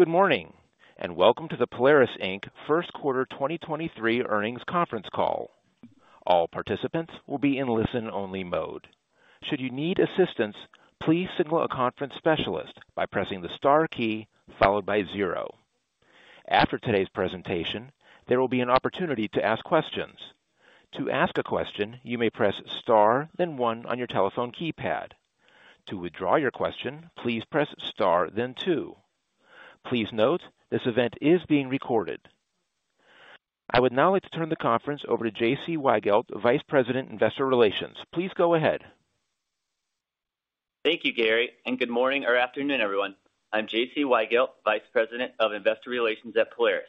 Good morning, welcome to the Polaris Inc. First Quarter 2023 Earnings Conference Call. All participants will be in listen-only mode. Should you need assistance, please signal a conference specialist by pressing the star key followed by zero. After today's presentation, there will be an opportunity to ask questions. To ask a question, you may press star, then one on your telephone keypad. To withdraw your question, please press star then two. Please note this event is being recorded. I would now like to turn the conference over to J.C. Weigelt, Vice President, Investor Relations. Please go ahead. Thank you, Gary. Good morning or afternoon, everyone. I'm J.C. Weigelt, Vice President of Investor Relations at Polaris.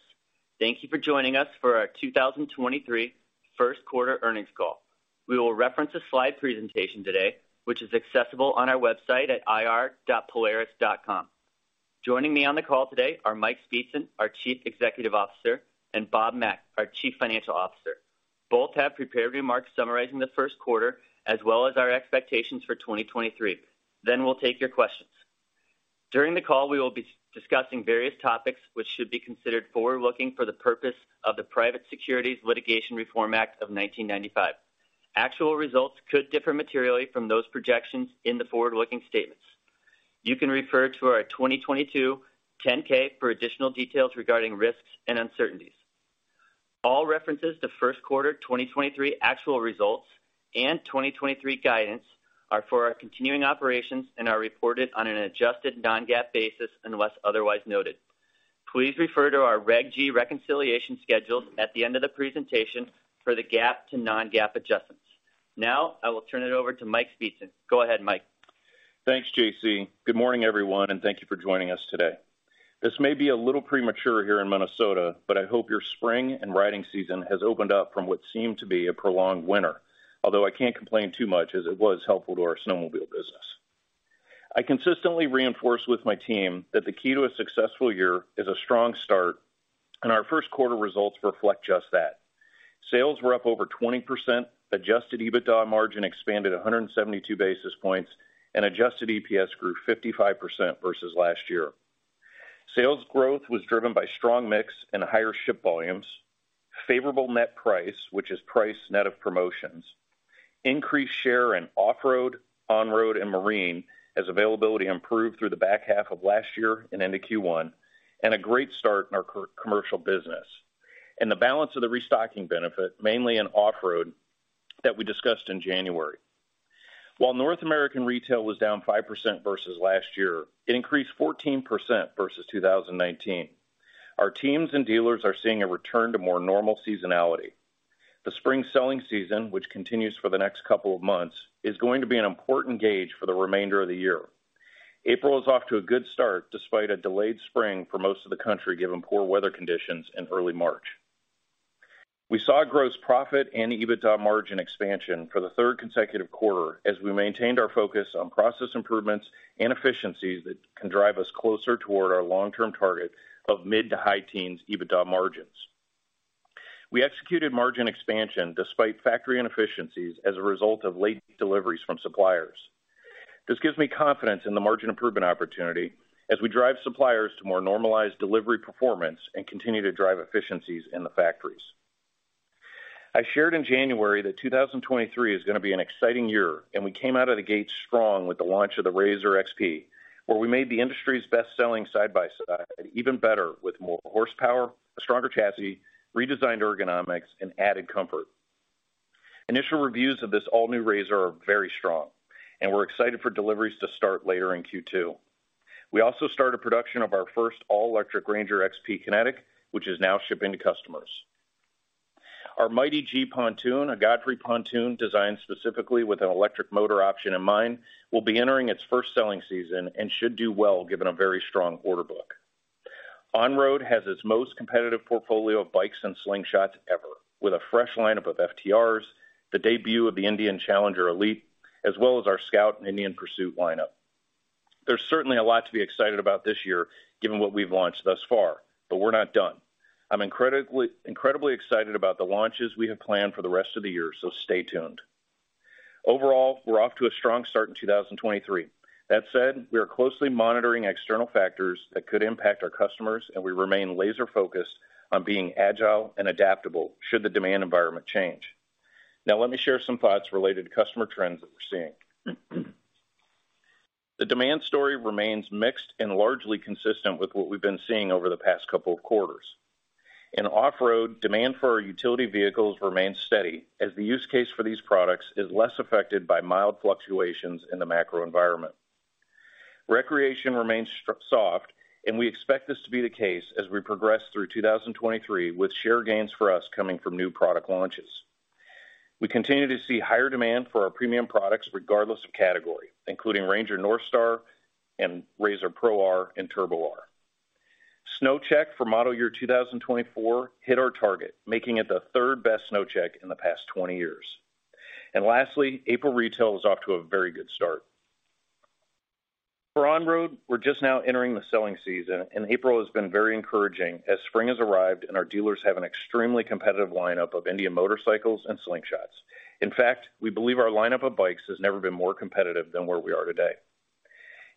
Thank you for joining us for our 2023 first quarter earnings call. We will reference a slide presentation today, which is accessible on our website at ir.polaris.com. Joining me on the call today are Mike Speetzen, our Chief Executive Officer, and Bob Mack, our Chief Financial Officer. Both have prepared remarks summarizing the first quarter as well as our expectations for 2023. We'll take your questions. During the call, we will be discussing various topics which should be considered forward-looking for the purpose of the Private Securities Litigation Reform Act of 1995. Actual results could differ materially from those projections in the forward-looking statements. You can refer to our 2022 10-K for additional details regarding risks and uncertainties. All references to first quarter 2023 actual results and 2023 guidance are for our continuing operations and are reported on an adjusted non-GAAP basis unless otherwise noted. Please refer to our Reg G reconciliation schedules at the end of the presentation for the GAAP to non-GAAP adjustments. Now I will turn it over to Mike Speetzen. Go ahead, Mike. Thanks, J.C. Good morning, everyone, thank you for joining us today. This may be a little premature here in Minnesota, I hope your spring and riding season has opened up from what seemed to be a prolonged winter, although I can't complain too much as it was helpful to our snowmobile business. I consistently reinforce with my team that the key to a successful year is a strong start, our first quarter results reflect just that. Sales were up over 20%, adjusted EBITDA margin expanded 172 basis points, adjusted EPS grew 55% versus last year. Sales growth was driven by strong mix and higher ship volumes, favorable net price, which is price net of promotions, increased share in Off-road, On-road and Marine as availability improved through the back half of last year and into Q1, and a great start in our co-commercial business, and the balance of the restocking benefit, mainly in Off-road, that we discussed in January. While North American retail was down 5% versus last year, it increased 14% versus 2019. Our teams and dealers are seeing a return to more normal seasonality. The spring selling season, which continues for the next couple of months, is going to be an important gauge for the remainder of the year. April is off to a good start despite a delayed spring for most of the country given poor weather conditions in early March. We saw gross profit and EBITDA margin expansion for the third consecutive quarter as we maintained our focus on process improvements and efficiencies that can drive us closer toward our long-term target of mid to high teens EBITDA margins. We executed margin expansion despite factory inefficiencies as a result of late deliveries from suppliers. This gives me confidence in the margin improvement opportunity as we drive suppliers to more normalized delivery performance and continue to drive efficiencies in the factories. I shared in January that 2023 is going to be an exciting year, and we came out of the gate strong with the launch of the RZR XP, where we made the industry's best-selling side-by-side even better with more horsepower, a stronger chassis, redesigned ergonomics and added comfort. Initial reviews of this all-new RZR are very strong, and we're excited for deliveries to start later in Q2. We also started production of our first all-electric RANGER XP Kinetic, which is now shipping to customers. Our Mighty G Pontoon, a Godfrey Pontoon designed specifically with an electric motor option in mind, will be entering its first selling season and should do well given a very strong order book. On Road has its most competitive portfolio of bikes and Slingshots ever with a fresh lineup of FTRs, the debut of the Indian Challenger Elite, as well as our Scout and Indian Pursuit lineup. There's certainly a lot to be excited about this year given what we've launched thus far, but we're not done. I'm incredibly excited about the launches we have planned for the rest of the year. Stay tuned. Overall, we're off to a strong start in 2023. That said, we are closely monitoring external factors that could impact our customers and we remain laser-focused on being agile and adaptable should the demand environment change. Let me share some thoughts related to customer trends that we're seeing. The demand story remains mixed and largely consistent with what we've been seeing over the past couple of quarters. In Off-road, demand for our utility vehicles remains steady as the use case for these products is less affected by mild fluctuations in the macro environment. Recreation remains soft, we expect this to be the case as we progress through 2023 with share gains for us coming from new product launches. We continue to see higher demand for our premium products regardless of category, including RANGER NorthStar and RZR Pro R and Turbo R. SnowCheck for model year 2024 hit our target, making it the third best SnowCheck in the past 20 years. Lastly, April retail is off to a very good start. For On-road, we're just now entering the selling season and April has been very encouraging as spring has arrived and our dealers have an extremely competitive lineup of Indian Motorcycles and Slingshots. In fact, we believe our lineup of bikes has never been more competitive than where we are today.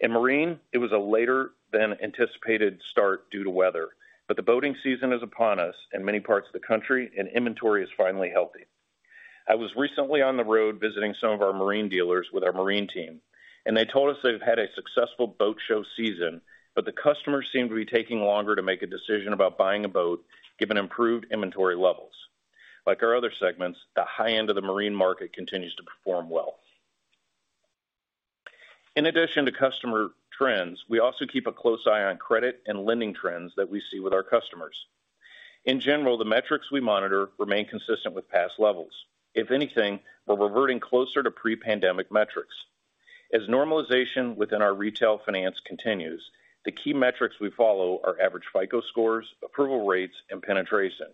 In Marine, it was a later than anticipated start due to weather, but the boating season is upon us in many parts of the country, and inventory is finally healthy. I was recently on the road visiting some of our Marine dealers with our Marine team. They told us they've had a successful boat show season. The customers seem to be taking longer to make a decision about buying a boat given improved inventory levels. Like our other segments, the high-end of the Marine market continues to perform well. In addition to customer trends, we also keep a close eye on credit and lending trends that we see with our customers. In general, the metrics we monitor remain consistent with past levels. If anything, we're reverting closer to pre-pandemic metrics. As normalization within our retail finance continues, the key metrics we follow are average FICO scores, approval rates, and penetration,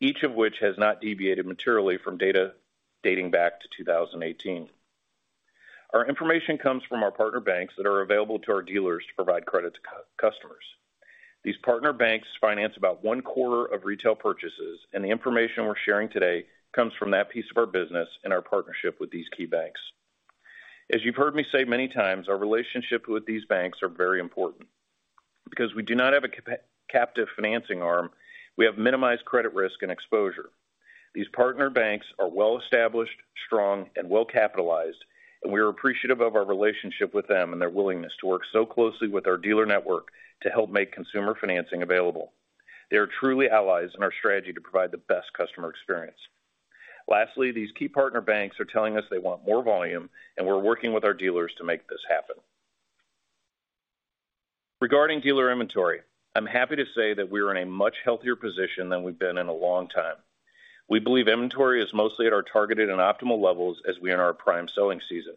each of which has not deviated materially from data dating back to 2018. Our information comes from our partner banks that are available to our dealers to provide credit to customers. These partner banks finance about one quarter of retail purchases, and the information we're sharing today comes from that piece of our business and our partnership with these key banks. As you've heard me say many times, our relationship with these banks are very important. Because we do not have a captive financing arm, we have minimized credit risk and exposure. These partner banks are well-established, strong and well capitalized, and we are appreciative of our relationship with them and their willingness to work so closely with our dealer network to help make consumer financing available. They are truly allies in our strategy to provide the best customer experience. These key partner banks are telling us they want more volume and we're working with our dealers to make this happen. Regarding dealer inventory, I'm happy to say that we are in a much healthier position than we've been in a long time. We believe inventory is mostly at our targeted and optimal levels as we enter our prime selling season.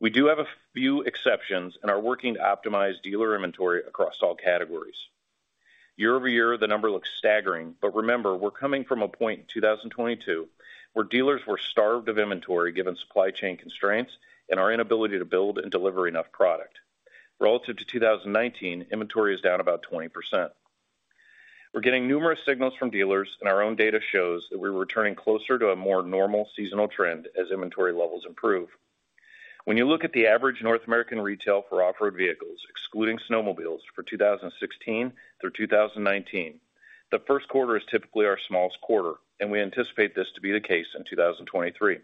We do have a few exceptions and are working to optimize dealer inventory across all categories. Year-over-year, the number looks staggering, but remember, we're coming from a point in 2022 where dealers were starved of inventory given supply chain constraints and our inability to build and deliver enough product. Relative to 2019, inventory is down about 20%. We're getting numerous signals from dealers and our own data shows that we're returning closer to a more normal seasonal trend as inventory levels improve. When you look at the average North American retail for off-road vehicles, excluding snowmobiles for 2016 through 2019, the first quarter is typically our smallest quarter. We anticipate this to be the case in 2023.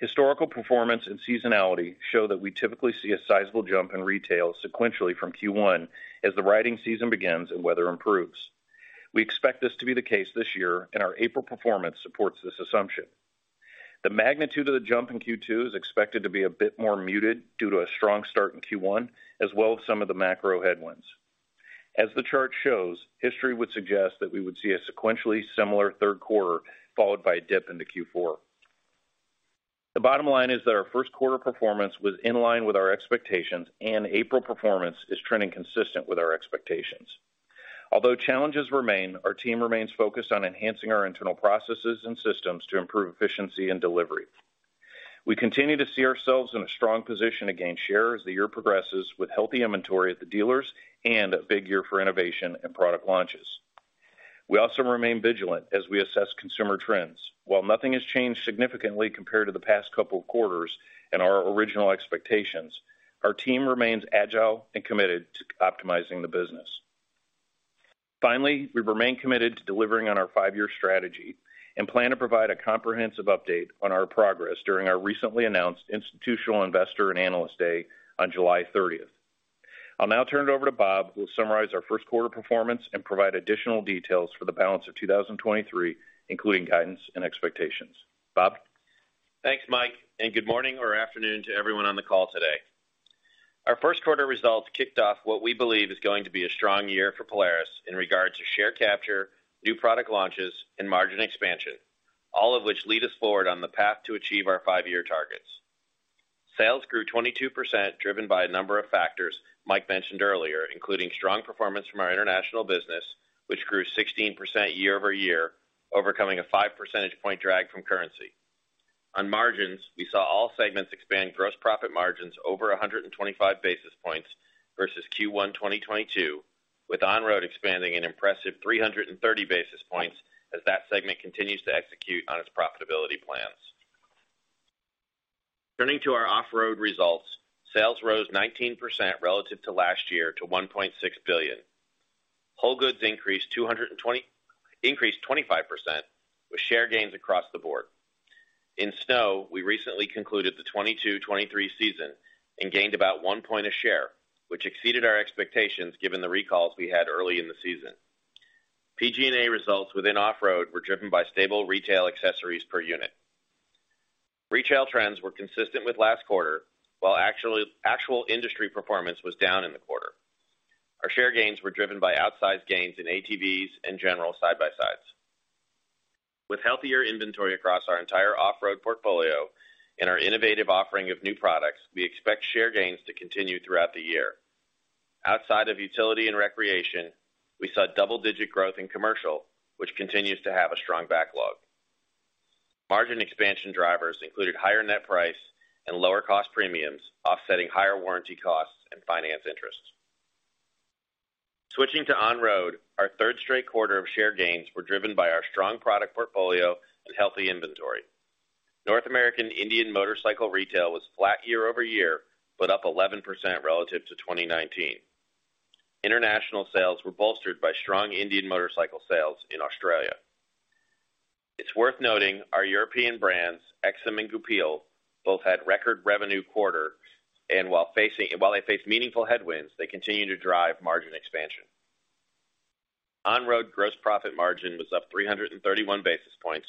Historical performance and seasonality show that we typically see a sizable jump in retail sequentially from Q1 as the riding season begins and weather improves. We expect this to be the case this year. Our April performance supports this assumption. The magnitude of the jump in Q2 is expected to be a bit more muted due to a strong start in Q1, as well as some of the macro headwinds. As the chart shows, history would suggest that we would see a sequentially similar third quarter, followed by a dip into Q4. The bottom line is that our first quarter performance was in line with our expectations. April performance is trending consistent with our expectations. Although challenges remain, our team remains focused on enhancing our internal processes and systems to improve efficiency and delivery. We continue to see ourselves in a strong position to gain share as the year progresses with healthy inventory at the dealers and a big year for innovation and product launches. We also remain vigilant as we assess consumer trends. While nothing has changed significantly compared to the past couple of quarters and our original expectations, our team remains agile and committed to optimizing the business. Finally, we remain committed to delivering on our five-year strategy and plan to provide a comprehensive update on our progress during our recently announced Institutional Investor and Analyst Day on 30 July. I'll now turn it over to Bob, who will summarize our first quarter performance and provide additional details for the balance of 2023, including guidance and expectations. Bob? Thanks, Mike. Good morning or afternoon to everyone on the call today. Our first quarter results kicked off what we believe is going to be a strong year for Polaris in regards to share capture, new product launches and margin expansion, all of which lead us forward on the path to achieve our five-year targets. Sales grew 22%, driven by a number of factors Mike mentioned earlier, including strong performance from our international business, which grew 16% year-over-year, overcoming a 5 percentage point drag from currency. On margins, we saw all segments expand gross profit margins over 125 basis points versus Q1, 2022, with On Road expanding an impressive 330 basis points as that segment continues to execute on its profitability plans. Turning to our Off-road results, sales rose 19% relative to last year to $1.6 billion. Whole goods increased 25% with share gains across the board. In snow, we recently concluded the 2022, 2023 season and gained about 1 point a share, which exceeded our expectations given the recalls we had early in the season. PG&A results within Off-road were driven by stable retail accessories per unit. Retail trends were consistent with last quarter, while actual industry performance was down in the quarter. Our share gains were driven by outsized gains in ATVs and general side-by-sides. With healthier inventory across our entire Off-road portfolio and our innovative offering of new products, we expect share gains to continue throughout the year. Outside of utility and recreation, we saw double-digit growth in commercial, which continues to have a strong backlog. Margin expansion drivers included higher net price and lower cost premiums, offsetting higher warranty costs and finance interests. Switching to On-road, our third straight quarter of share gains were driven by our strong product portfolio and healthy inventory. North American Indian Motorcycle retail was flat year-over-year, but up 11% relative to 2019. International sales were bolstered by strong Indian Motorcycle sales in Australia. It's worth noting our European brands, Aixam and Goupil, both had record revenue quarter, and while they face meaningful headwinds, they continue to drive margin expansion. On-road gross profit margin was up 331 basis points,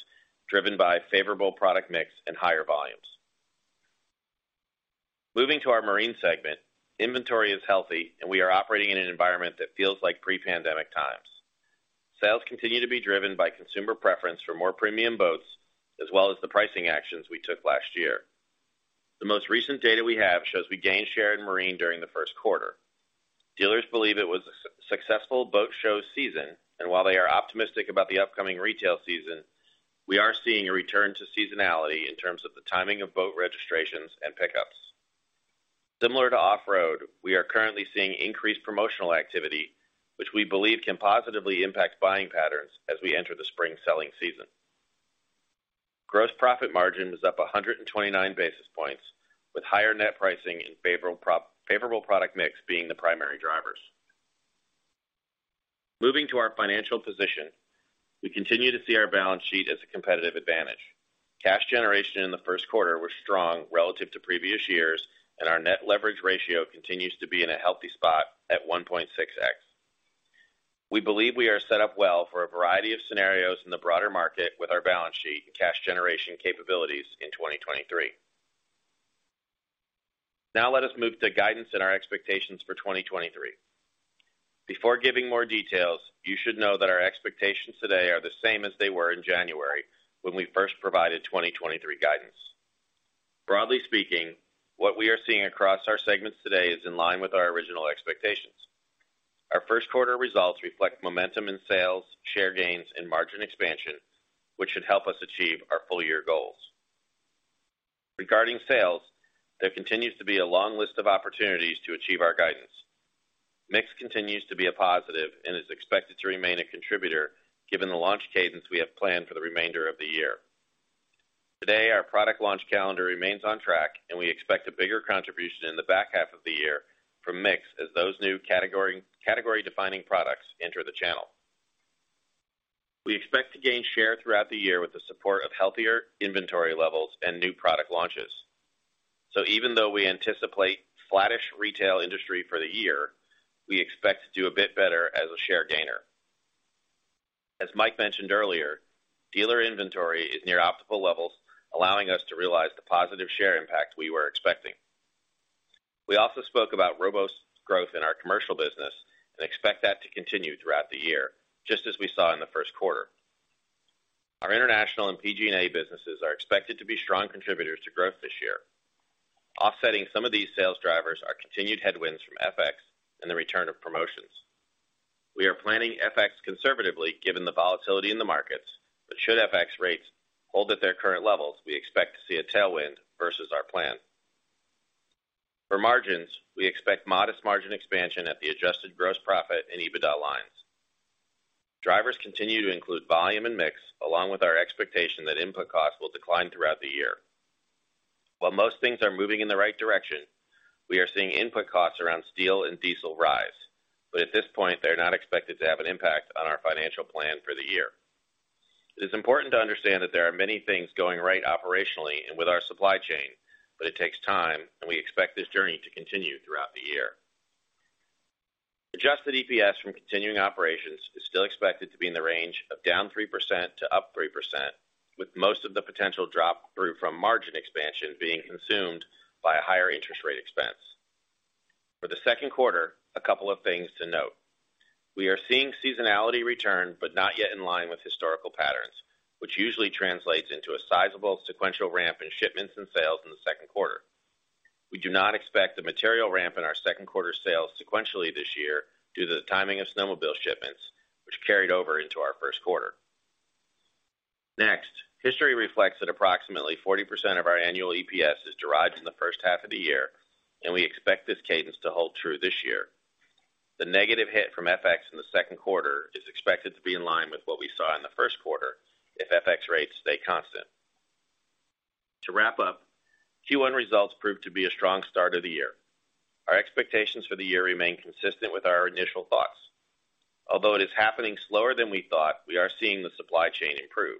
driven by favorable product mix and higher volumes. Moving to our Marine segment, inventory is healthy, and we are operating in an environment that feels like pre-pandemic times. Sales continue to be driven by consumer preference for more premium boats, as well as the pricing actions we took last year. The most recent data we have shows we gained share in Marine during the first quarter. Dealers believe it was a successful boat show season, and while they are optimistic about the upcoming retail season, we are seeing a return to seasonality in terms of the timing of boat registrations and pickups. Similar to Off-road, we are currently seeing increased promotional activity, which we believe can positively impact buying patterns as we enter the spring selling season. Gross profit margin was up 129 basis points, with higher net pricing and favorable product mix being the primary drivers. Moving to our financial position, we continue to see our balance sheet as a competitive advantage. Cash generation in the first quarter was strong relative to previous years, and our net leverage ratio continues to be in a healthy spot at 1.6x. We believe we are set up well for a variety of scenarios in the broader market with our balance sheet and cash generation capabilities in 2023. Let us move to guidance and our expectations for 2023. Before giving more details, you should know that our expectations today are the same as they were in January when we first provided 2023 guidance. Broadly speaking, what we are seeing across our segments today is in line with our original expectations. Our first quarter results reflect momentum in sales, share gains and margin expansion, which should help us achieve our full year goals. Regarding sales, there continues to be a long list of opportunities to achieve our guidance. Mix continues to be a positive and is expected to remain a contributor given the launch cadence we have planned for the remainder of the year. Today, our product launch calendar remains on track, and we expect a bigger contribution in the back half of the year from Mix as those new category defining products enter the channel. We expect to gain share throughout the year with the support of healthier inventory levels and new product launches. Even though we anticipate flattish retail industry for the year, we expect to do a bit better as a share gainer. As Mike mentioned earlier, dealer inventory is near optimal levels, allowing us to realize the positive share impact we were expecting. We also spoke about robust growth in our commercial business and expect that to continue throughout the year, just as we saw in the first quarter. Our international and PG&A businesses are expected to be strong contributors to growth this year. Offsetting some of these sales drivers are continued headwinds from FX and the return of promotions. Should FX rates hold at their current levels, we expect to see a tailwind versus our plan. For margins, we expect modest margin expansion at the adjusted gross profit and EBITDA lines. Drivers continue to include volume and mix, along with our expectation that input costs will decline throughout the year. Most things are moving in the right direction, we are seeing input costs around steel and diesel rise. At this point they are not expected to have an impact on our financial plan for the year. It is important to understand that there are many things going right operationally and with our supply chain, but it takes time and we expect this journey to continue throughout the year. Adjusted EPS from continuing operations is still expected to be in the range of down 3% to up 3%, with most of the potential drop through from margin expansion being consumed by a higher interest rate expense. For the second quarter, a couple of things to note. We are seeing seasonality return, but not yet in line with historical patterns, which usually translates into a sizable sequential ramp in shipments and sales in the second quarter. We do not expect the material ramp in our second quarter sales sequentially this year due to the timing of snowmobile shipments, which carried over into our first quarter. History reflects that approximately 40% of our annual EPS is derived in the first half of the year. We expect this cadence to hold true this year. The negative hit from FX in the second quarter is expected to be in line with what we saw in the first quarter if FX rates stay constant. To wrap up, Q1 results proved to be a strong start of the year. Our expectations for the year remain consistent with our initial thoughts. Although it is happening slower than we thought, we are seeing the supply chain improve.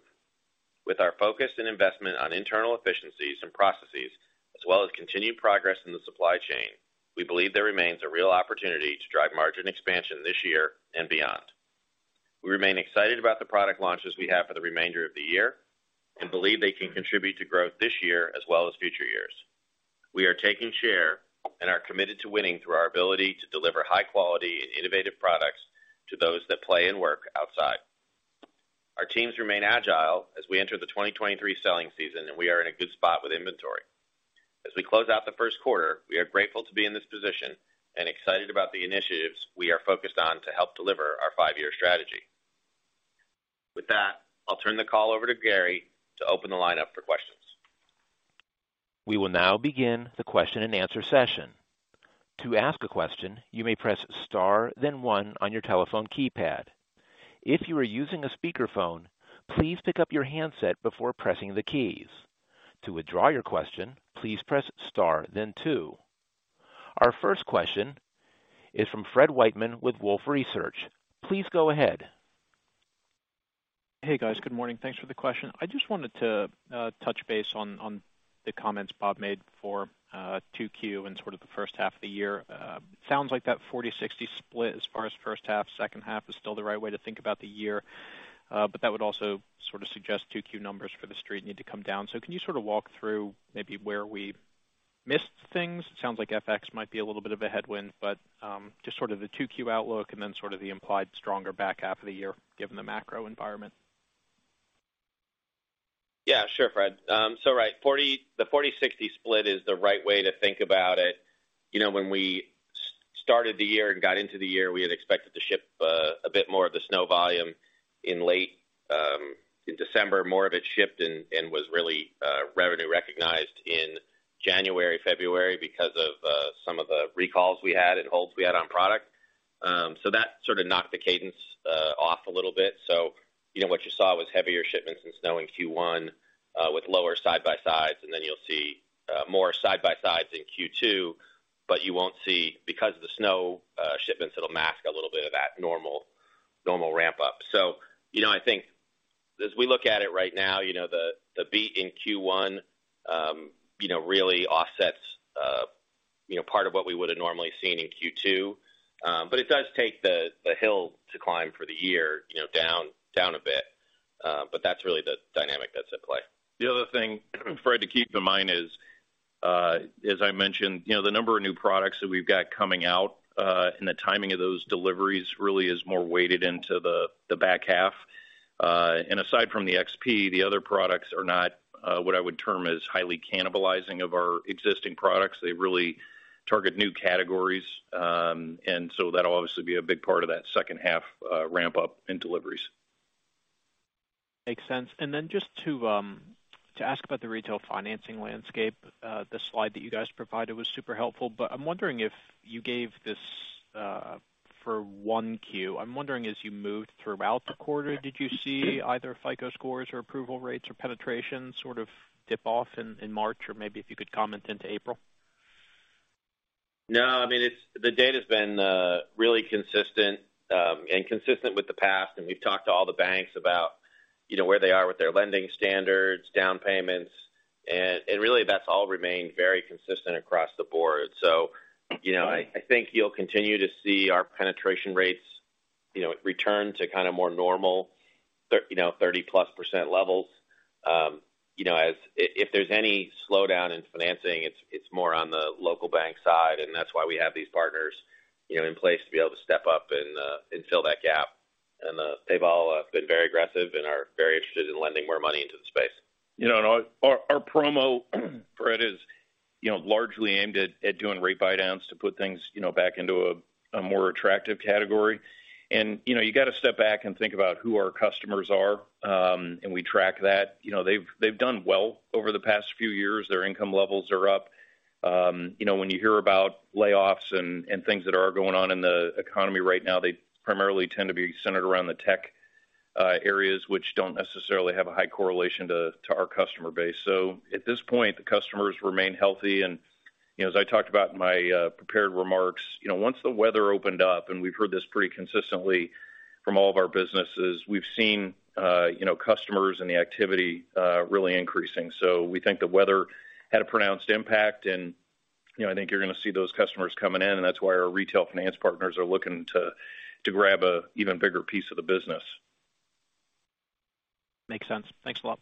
With our focus and investment on internal efficiencies and processes, as well as continued progress in the supply chain, we believe there remains a real opportunity to drive margin expansion this year and beyond. We remain excited about the product launches we have for the remainder of the year and believe they can contribute to growth this year as well as future years. We are taking share and are committed to winning through our ability to deliver high quality and innovative products to those that play and work outside. Our teams remain agile as we enter the 2023 selling season and we are in a good spot with inventory. As we close out the first quarter, we are grateful to be in this position and excited about the initiatives we are focused on to help deliver our five-year strategy. With that, I'll turn the call over to Gary to open the line up for questions. We will now begin the Q&A session. To ask a question, you may press star then one on your telephone keypad. If you are using a speakerphone, please pick up your handset before pressing the keys. To withdraw your question, please press star then two. Our first question is from Fred Wightman with Wolfe Research. Please go ahead. Hey, guys. Good morning. Thanks for the question. I just wanted to touch base on the comments Bob made for Q2 and sort of the first half of the year. Sounds like that 40-60 split as far as first half, second half is still the right way to think about the year. But that would also sort of suggest Q2 numbers for the street need to come down. Can you sort of walk through maybe where we missed things? It sounds like FX might be a little bit of a headwind, but just sort of the Q2 outlook and then sort of the implied stronger back half of the year, given the macro environment. Yeah, sure, Fred. Right, the 40-60 split is the right way to think about it. You know, when we started the year and got into the year, we had expected to ship a bit more of the snow volume in late December. More of it shipped and was really revenue recognized in January, February because of some of the recalls we had and holds we had on product. That sort of knocked the cadence off a little bit. You know, what you saw was heavier shipments in snow in Q1 with lower side-by-sides, and then you'll see more side-by-sides in Q2, but you won't see because of the snow shipments that'll mask a little bit of that normal ramp up. You know, I think as we look at it right now, you know, the beat in Q1, you know, really offsets, you know, part of what we would have normally seen in Q2. It does take the hill to climb for the year, you know, down a bit. That's really the dynamic that's at play. The other thing, Fred, to keep in mind is, as I mentioned, you know, the number of new products that we've got coming out, and the timing of those deliveries really is more weighted into the back half. Aside from the XP, the other products are not what I would term as highly cannibalizing of our existing products. They really target new categories, and so that'll obviously be a big part of that second half ramp up in deliveries. Makes sense. Just to ask about the retail financing landscape. The slide that you guys provided was super helpful, but I'm wondering if you gave this for 1Q. I'm wondering, as you moved throughout the quarter, did you see either FICO scores or approval rates or penetration sort of dip off in March? Or maybe if you could comment into April? I mean, the data's been really consistent with the past, and we've talked to all the banks about, you know, where they are with their lending standards, down payments, and really that's all remained very consistent across the board. You know, I think you'll continue to see our penetration rates, you know, return to kind of more normal, you know, 30%+ levels. You know, if there's any slowdown in financing, it's more on the local bank side, that's why we have these partners, you know, in place to be able to step up and fill that gap. They've all been very aggressive and are very interested in lending more money into the space. You know, our promo, Fred, is, you know, largely aimed at doing rate buy downs to put things, you know, back into a more attractive category. You know, you gotta step back and think about who our customers are, and we track that. You know, they've done well over the past few years. Their income levels are up. You know, when you hear about layoffs and things that are going on in the economy right now, they primarily tend to be centered around the tech areas which don't necessarily have a high correlation to our customer base. At this point, the customers remain healthy. You know, as I talked about in my prepared remarks, you know, once the weather opened up, and we've heard this pretty consistently from all of our businesses, we've seen, you know, customers and the activity really increasing. We think the weather had a pronounced impact and, you know, I think you're gonna see those customers coming in, and that's why our retail finance partners are looking to grab a even bigger piece of the business. Makes sense. Thanks a lot.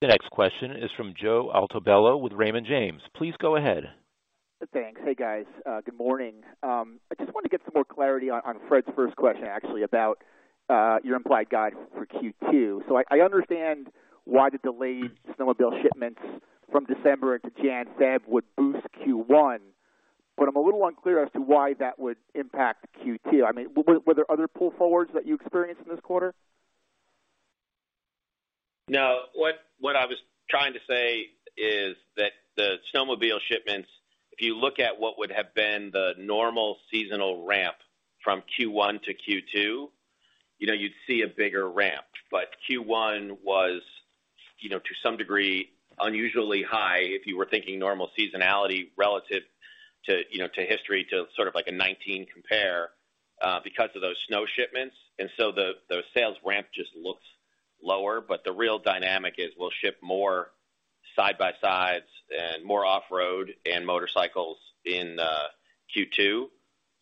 The next question is from Joe Altobello with Raymond James. Please go ahead. Thanks. Hey, guys. Good morning. I just wanted to get some more clarity on Fred's first question, actually, about your implied guide for Q2. I understand why the delayed snowmobile shipments from December into Jan, Feb would boost Q1, I'm a little unclear as to why that would impact Q2. I mean, were there other pull forwards that you experienced in this quarter? No. What I was trying to say is that the snowmobile shipments, if you look at what would have been the normal seasonal ramp from Q1 to Q2, you know, you'd see a bigger ramp. Q1 was, you know, to some degree, unusually high if you were thinking normal seasonality relative to, you know, to history, to sort of like a 2019 compare, because of those snow shipments. The sales ramp just looks lower. The real dynamic is we'll ship more side-by-sides and more off-road and motorcycles in Q2. You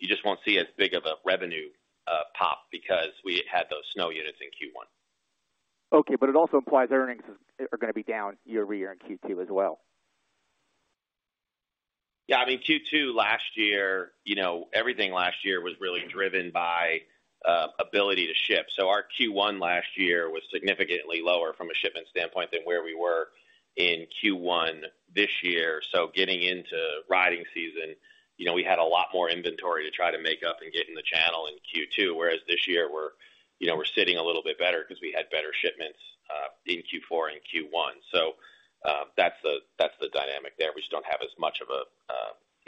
just won't see as big of a revenue pop because we had those snow units in Q1. Okay. It also implies earnings are gonna be down year-over-year in Q2 as well. Yeah. I mean, Q2 last year, you know, everything last year was really driven by ability to ship. Our Q1 last year was significantly lower from a shipping standpoint than where we were in Q1 this year, so getting into riding season, you know, we had a lot more inventory to try to make up and get in the channel in Q2, whereas this year we're, you know, we're sitting a little bit better because we had better shipments in Q4 and Q1. That's the dynamic there. We just don't have as much of a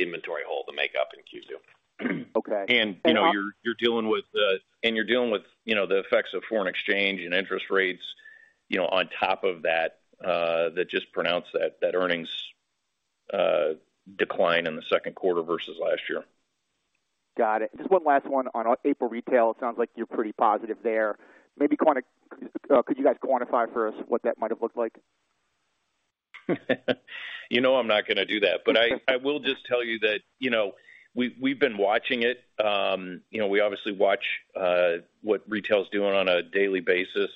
inventory hole to make up in Q2. Okay. You know, and you're dealing with, you know, the effects of foreign exchange and interest rates, you know, on top of that just pronounce that earnings decline in the second quarter versus last year. Got it. Just one last one on April retail. It sounds like you're pretty positive there. Could you guys quantify for us what that might have looked like? You know I'm not gonna do that. I will just tell you that, you know, we've been watching it. You know, we obviously watch what retail is doing on a daily basis.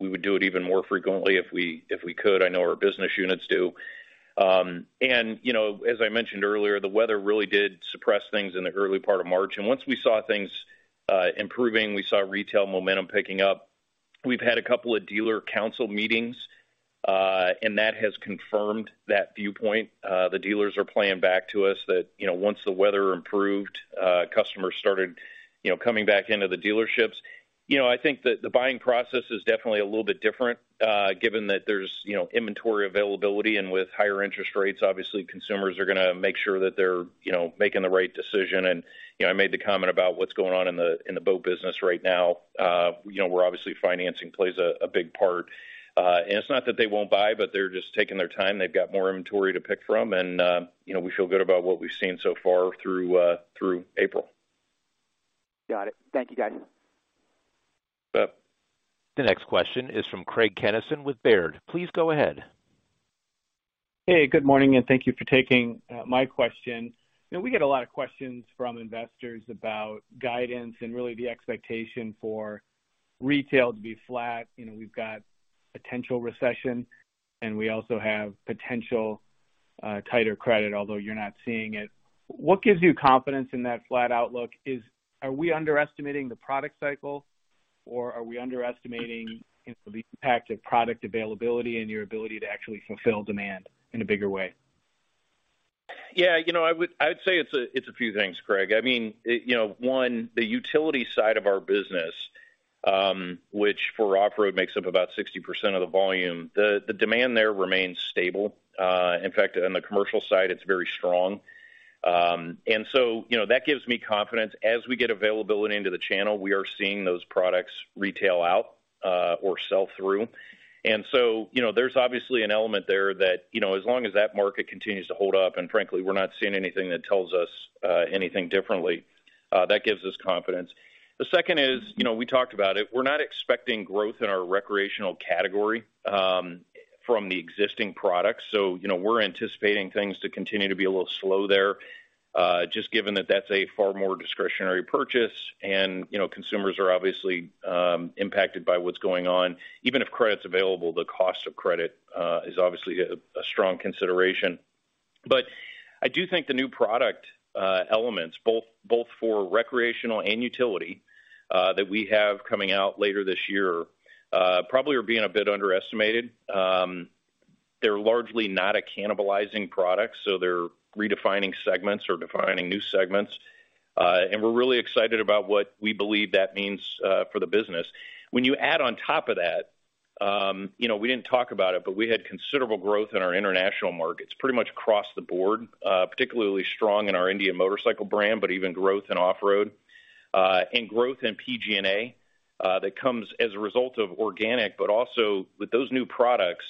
We would do it even more frequently if we, if we could. I know our business units do. You know, as I mentioned earlier, the weather really did suppress things in the early part of March. Once we saw things improving, we saw retail momentum picking up. We've had a couple of dealer council meetings, and that has confirmed that viewpoint. The dealers are playing back to us that, you know, once the weather improved, customers started, you know, coming back into the dealerships. You know, I think that the buying process is definitely a little bit different, given that there's, you know, inventory availability. With higher interest rates, obviously consumers are gonna make sure that they're, you know, making the right decision. You know, I made the comment about what's going on in the, in the boat business right now, you know, where obviously financing plays a big part. It's not that they won't buy, but they're just taking their time. They've got more inventory to pick from. You know, we feel good about what we've seen so far through April. Got it. Thank you, guys. Yep. The next question is from Craig Kennison with Baird. Please go ahead. Good morning. Thank you for taking my question. You know, we get a lot of questions from investors about guidance and really the expectation for retail to be flat. You know, we've got potential recession. We also have potential tighter credit, although you're not seeing it. What gives you confidence in that flat outlook is are we underestimating the product cycle or are we underestimating the impact of product availability and your ability to actually fulfill demand in a bigger way? Yeah, you know, I would say it's a few things, Craig. I mean, you know, one, the utility side of our business, which for off-road makes up about 60% of the volume, the demand there remains stable. In fact, on the commercial side, it's very strong. You know, that gives me confidence. As we get availability into the channel, we are seeing those products retail out or sell through. You know, there's obviously an element there that, you know, as long as that market continues to hold up, and frankly, we're not seeing anything that tells us anything differently, that gives us confidence. The second is, you know, we talked about it. We're not expecting growth in our recreational category from the existing products. You know, we're anticipating things to continue to be a little slow there, just given that that's a far more discretionary purchase. You know, consumers are obviously impacted by what's going on. Even if credit's available, the cost of credit is obviously a strong consideration. I do think the new product elements, both for recreational and utility, that we have coming out later this year, probably are being a bit underestimated. They're largely not a cannibalizing product, so they're redefining segments or defining new segments. We're really excited about what we believe that means for the business. You add on top of that, you know, we didn't talk about it, but we had considerable growth in our international markets pretty much across the board. Particularly strong in our Indian Motorcycle brand, but even growth in Off-road, and growth in PG&A, that comes as a result of organic. Also with those new products,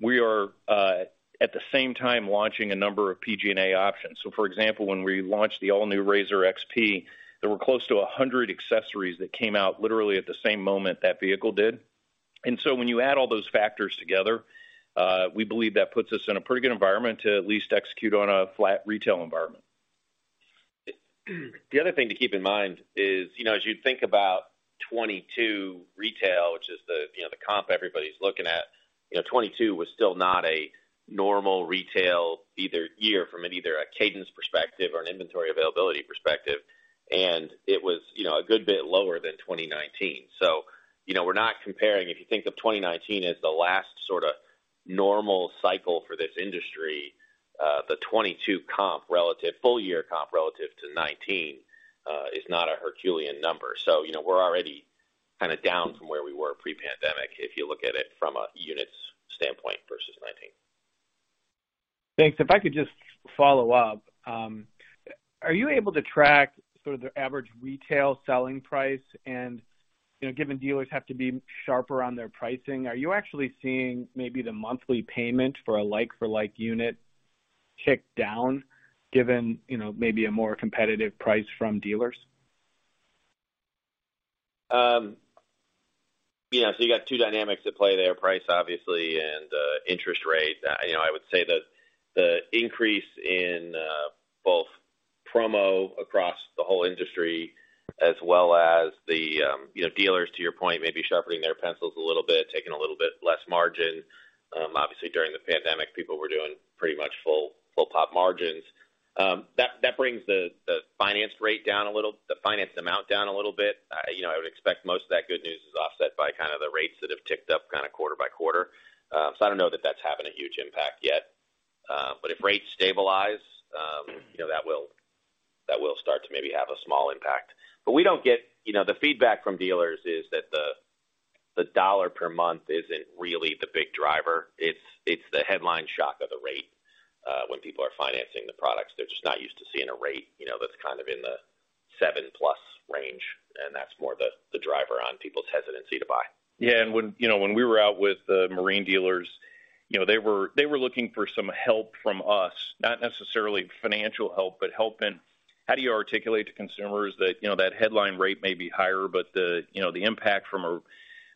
we are at the same time launching a number of PG&A options. For example, when we launched the all-new RZR XP, there were close to 100 accessories that came out literally at the same moment that vehicle did. When you add all those factors together, we believe that puts us in a pretty good environment to at least execute on a flat retail environment. The other thing to keep in mind is, you know, as you think about 2022 retail, which is the, you know, the comp everybody's looking at, you know, 2022 was still not a normal retail either year from either a cadence perspective or an inventory availability perspective. It was, you know, a good bit lower than 2019. You know, we're not comparing, if you think of 2019 as the last sorta normal cycle for this industry, the 2022 comp full year comp relative to 2019 is not a Herculean number. You know, we're already kinda down from where we were pre-pandemic, if you look at it from a units standpoint versus 2019. Thanks. If I could just follow up. Are you able to track sort of the average retail selling price and, you know, given dealers have to be sharper on their pricing, are you actually seeing maybe the monthly payment for a like-for-like unit tick down, given, you know, maybe a more competitive price from dealers? Yeah. You got two dynamics at play there, price obviously and interest rate. You know, I would say that the increase in both promo across the whole industry as well as the, you know, dealers, to your point, may be sharpening their pencils a little bit, taking a little bit less margin. Obviously, during the pandemic, people were doing pretty much full pop margins. That brings the finance amount down a little bit. You know, I would expect most of that good news is offset by kind of the rates that have ticked up kind of quarter by quarter. I don't know that that's having a huge impact yet. If rates stabilize, you know, that will start to maybe have a small impact. We don't get. You know, the feedback from dealers is that the dollar per month isn't really the big driver. It's the headline shock of the rate when people are financing the products. They're just not used to seeing a rate, you know, that's kind of in the seven-plus range, and that's more the driver on people's hesitancy to buy. Yeah. When, you know, when we were out with the Marine dealers, you know, they were looking for some help from us, not necessarily financial help, but help in how do you articulate to consumers that, you know, that headline rate may be higher, but the, you know, the impact from a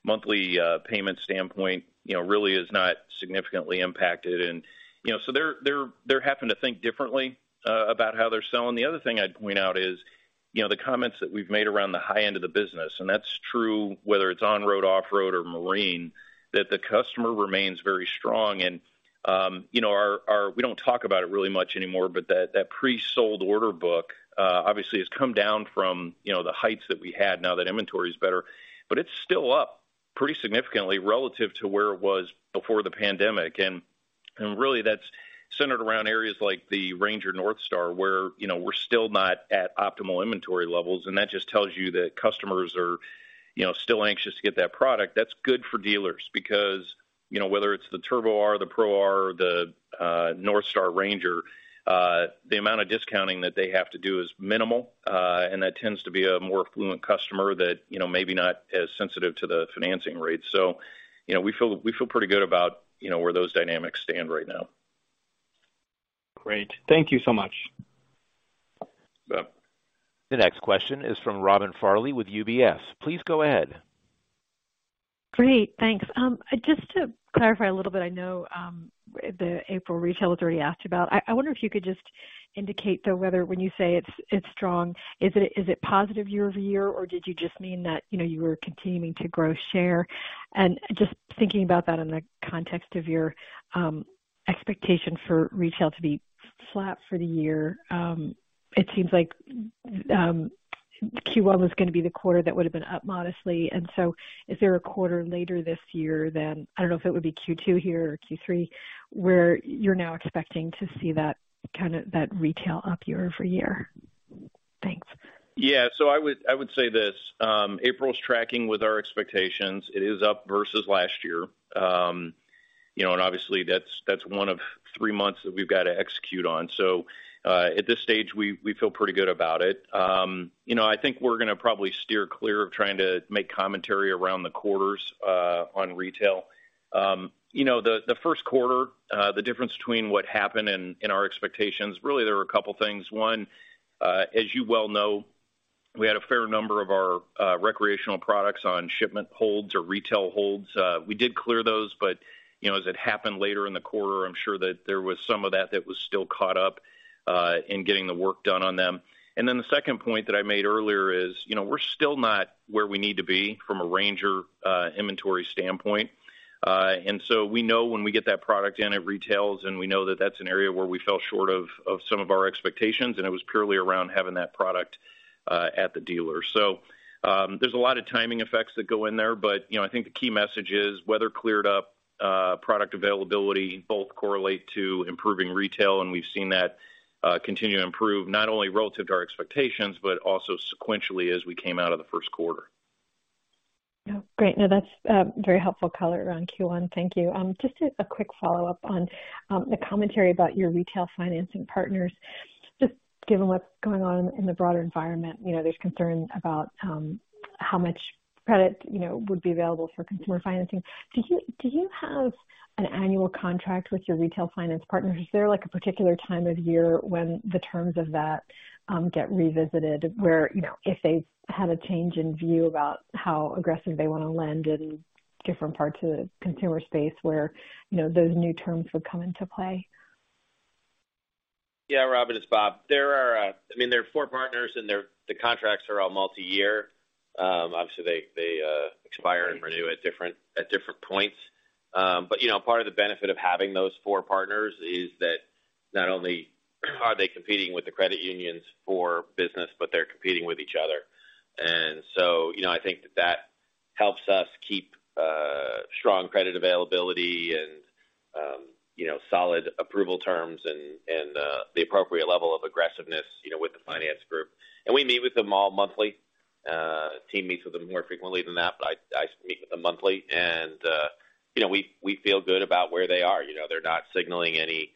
monthly payment standpoint, you know, really is not significantly impacted. You know, they're having to think differently about how they're selling. The other thing I'd point out is, you know, the comments that we've made around the high end of the business, and that's true whether it's On-road, Off-road or Marine, that the customer remains very strong. You know, our we don't talk about it really much anymore, but that pre-sold order book obviously has come down from, you know, the heights that we had now that inventory is better, but it's still up pretty significantly relative to where it was before the pandemic. Really that's centered around areas like the RANGER NorthStar, where, you know, we're still not at optimal inventory levels. That just tells you that customers are, you know, still anxious to get that product. That's good for dealers because, you know, whether it's the Turbo R, the Pro R, the NorthStar RANGER, the amount of discounting that they have to do is minimal, and that tends to be a more affluent customer that, you know, maybe not as sensitive to the financing rates. You know, we feel pretty good about, you know, where those dynamics stand right now. Great. Thank you so much. The next question is from Robin Farley with UBS. Please go ahead. Great. Thanks. Just to clarify a little bit, I know the April retail was already asked about. I wonder if you could just indicate, though, whether when you say it's strong, is it positive year-over-year, or did you just mean that, you know, you were continuing to grow share? Just thinking about that in the context of your expectation for retail to be flat for the year, it seems like Q1 was gonna be the quarter that would have been up modestly. Is there a quarter later this year then, I don't know if it would be Q2 here or Q3, where you're now expecting to see that retail up year-over-year? Thanks. I would say this. April's tracking with our expectations. It is up versus last year. you know, and obviously that's one of three months that we've got to execute on. At this stage, we feel pretty good about it. you know, I think we're gonna probably steer clear of trying to make commentary around the quarters on retail. you know, the first quarter, the difference between what happened and our expectations, really there were a couple things. One, as you well know, we had a fair number of our recreational products on shipment holds or retail holds. We did clear those, you know, as it happened later in the quarter, I'm sure that there was some of that that was still caught up in getting the work done on them. The second point that I made earlier is, you know, we're still not where we need to be from a Ranger inventory standpoint. We know when we get that product in at retail, we know that that's an area where we fell short of some of our expectations, and it was purely around having that product at the dealer. There's a lot of timing effects that go in there, but, you know, I think the key message is weather cleared up, product availability both correlate to improving retail, and we've seen that continue to improve not only relative to our expectations, but also sequentially as we came out of the first quarter. Yeah. Great. That's very helpful color around Q1. Thank you. Just a quick follow-up on the commentary about your retail financing partners. Just given what's going on in the broader environment, you know, there's concern about how much credit, you know, would be available for consumer financing. Do you have an annual contract with your retail finance partners? Is there like a particular time of year when the terms of that get revisited where, you know, if they had a change in view about how aggressive they wanna lend in different parts of the consumer space where, you know, those new terms would come into play? Yeah, Robin, it's Bob. There are, I mean, there are four partners and the contracts are all multi-year. Obviously they expire and renew at different points. But you know, part of the benefit of having those four partners is that not only are they competing with the credit unions for business, but they're competing with each other. You know, I think that that helps us keep strong credit availability and you know, solid approval terms and the appropriate level of aggressiveness, you know, with the finance group. We meet with them all monthly. Team meets with them more frequently than that, but I speak with them monthly and you know, we feel good about where they are. You know, they're not signaling any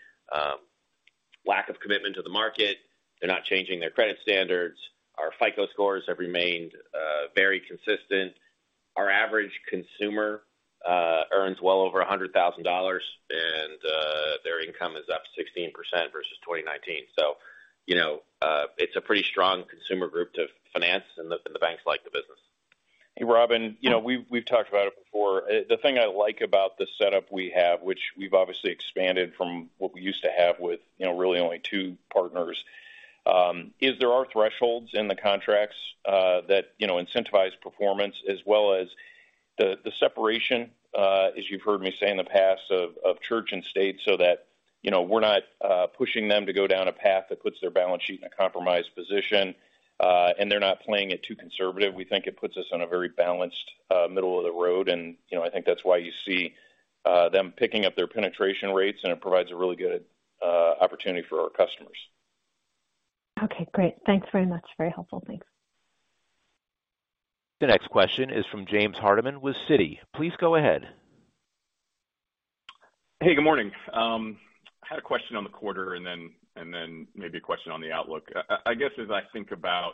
lack of commitment to the market. They're not changing their credit standards. Our FICO scores have remained very consistent. Our average consumer earns well over $100,000 and their income is up 16% versus 2019. You know, it's a pretty strong consumer group to finance and the banks like the business. Hey, Robin. You know, we've talked about it before. The thing I like about the setup we have, which we've obviously expanded from what we used to have with, you know, really only two partners, is there are thresholds in the contracts that, you know, incentivize performance as well as the separation, as you've heard me say in the past, of church and state so that, you know, we're not pushing them to go down a path that puts their balance sheet in a compromised position, and they're not playing it too conservative. We think it puts us on a very balanced, middle of the road. You know, I think that's why you see them picking up their penetration rates, and it provides a really good opportunity for our customers. Okay, great. Thanks very much. Very helpful. Thanks. The next question is from James Hardiman with Citi. Please go ahead. Hey, good morning. I had a question on the quarter and then maybe a question on the outlook. I guess, as I think about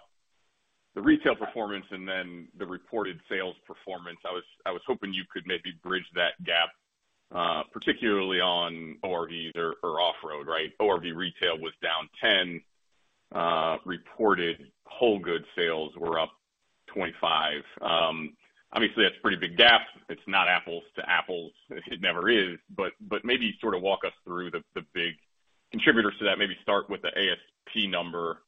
the retail performance and then the reported sales performance, I was hoping you could maybe bridge that gap, particularly on ORVs or Off-road, right? ORV retail was down 10%, reported whole good sales were up 25%. Obviously, that's a pretty big gap. It's not apples to apples. It never is. Maybe sort of walk us through the big contributors to that. Maybe start with the ASP number.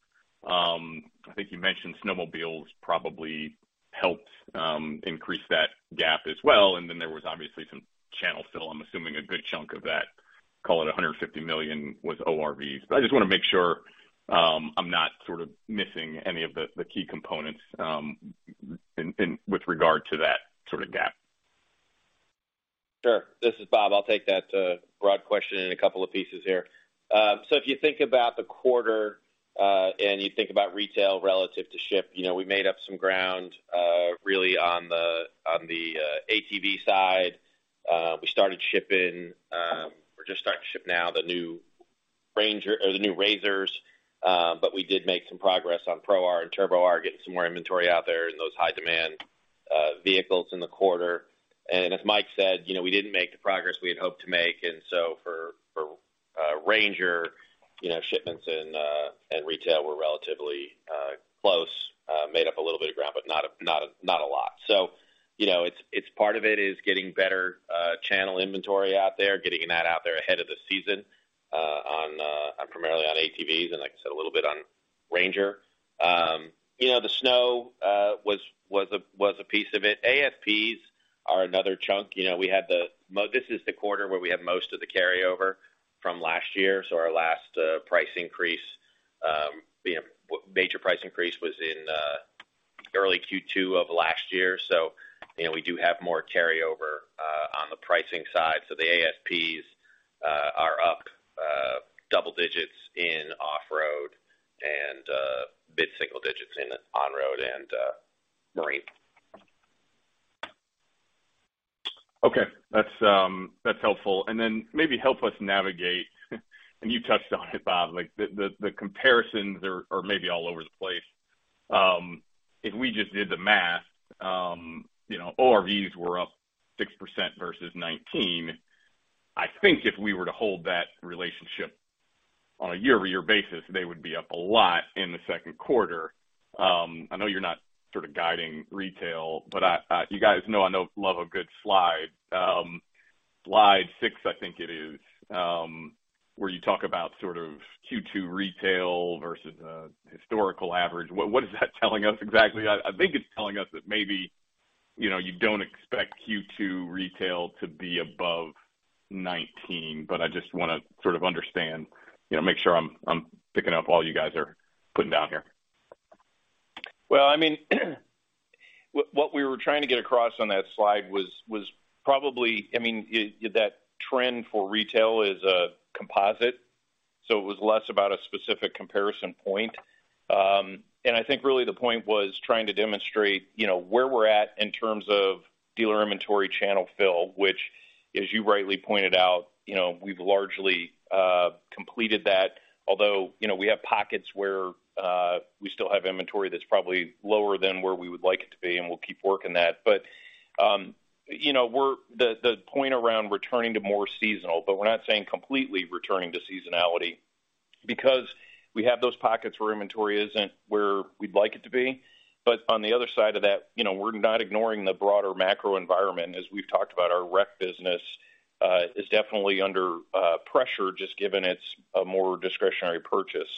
I think you mentioned snowmobiles probably helped increase that gap as well. There was obviously some channel fill. I'm assuming a good chunk of that, call it $150 million, was ORVs. I just wanna make sure, I'm not sort of missing any of the key components, with regard to that sort of gap. Sure. This is Bob. I'll take that broad question in a couple of pieces here. If you think about the quarter, and you think about retail relative to ship, you know, we made up some ground really on the ATV side. We started shipping. We're just starting to ship now the new RANGER or the new RZRs, but we did make some progress on Pro R and Turbo R, getting some more inventory out there in those high demand vehicles in the quarter. As Mike said, you know, we didn't make the progress we had hoped to make. For RANGER, you know, shipments and retail were relatively close, made up a little bit of ground, but not a lot. You know, it's part of it is getting better channel inventory out there, getting that out there ahead of the season on primarily on ATVs and like I said, a little bit on RANGER. You know, the snow was a piece of it. ASPs are another chunk. You know, we had. This is the quarter where we had most of the carryover from last year. Our last price increase, you know, major price increase was in early Q2 of last year. You know, we do have more carryover on the pricing side. The ASPs are up double digits in Off-road and mid-single digits in On-road and Marine. Okay, that's that's helpful. Then maybe help us navigate, and you touched on it, Bob, like the comparisons are maybe all over the place. If we just did the math, you know, ORVs were up 6% versus 2019. I think if we were to hold that relationship on a year-over-year basis, they would be up a lot in the second quarter. I know you're not sort of guiding retail, but you guys know I know love a good slide. Slide six, I think it is, where you talk about sort of Q2 retail versus historical average. What is that telling us exactly? I think it's telling us that maybe, you know, you don't expect Q2 retail to be above 2019, but I just wanna sort of understand, you know, make sure I'm picking up all you guys are putting down here. Well, I mean, what we were trying to get across on that slide was probably. I mean, that trend for retail is a composite, so it was less about a specific comparison point. I think really the point was trying to demonstrate, you know, where we're at in terms of dealer inventory channel fill, which, as you rightly pointed out, you know, we've largely completed that. Although, you know, we have pockets where we still have inventory that's probably lower than where we would like it to be, and we'll keep working that. You know, the point around returning to more seasonal, but we're not saying completely returning to seasonality because we have those pockets where inventory isn't where we'd like it to be. On the other side of that, you know, we're not ignoring the broader macro environment. As we've talked about, our rec business is definitely under pressure just given it's a more discretionary purchase.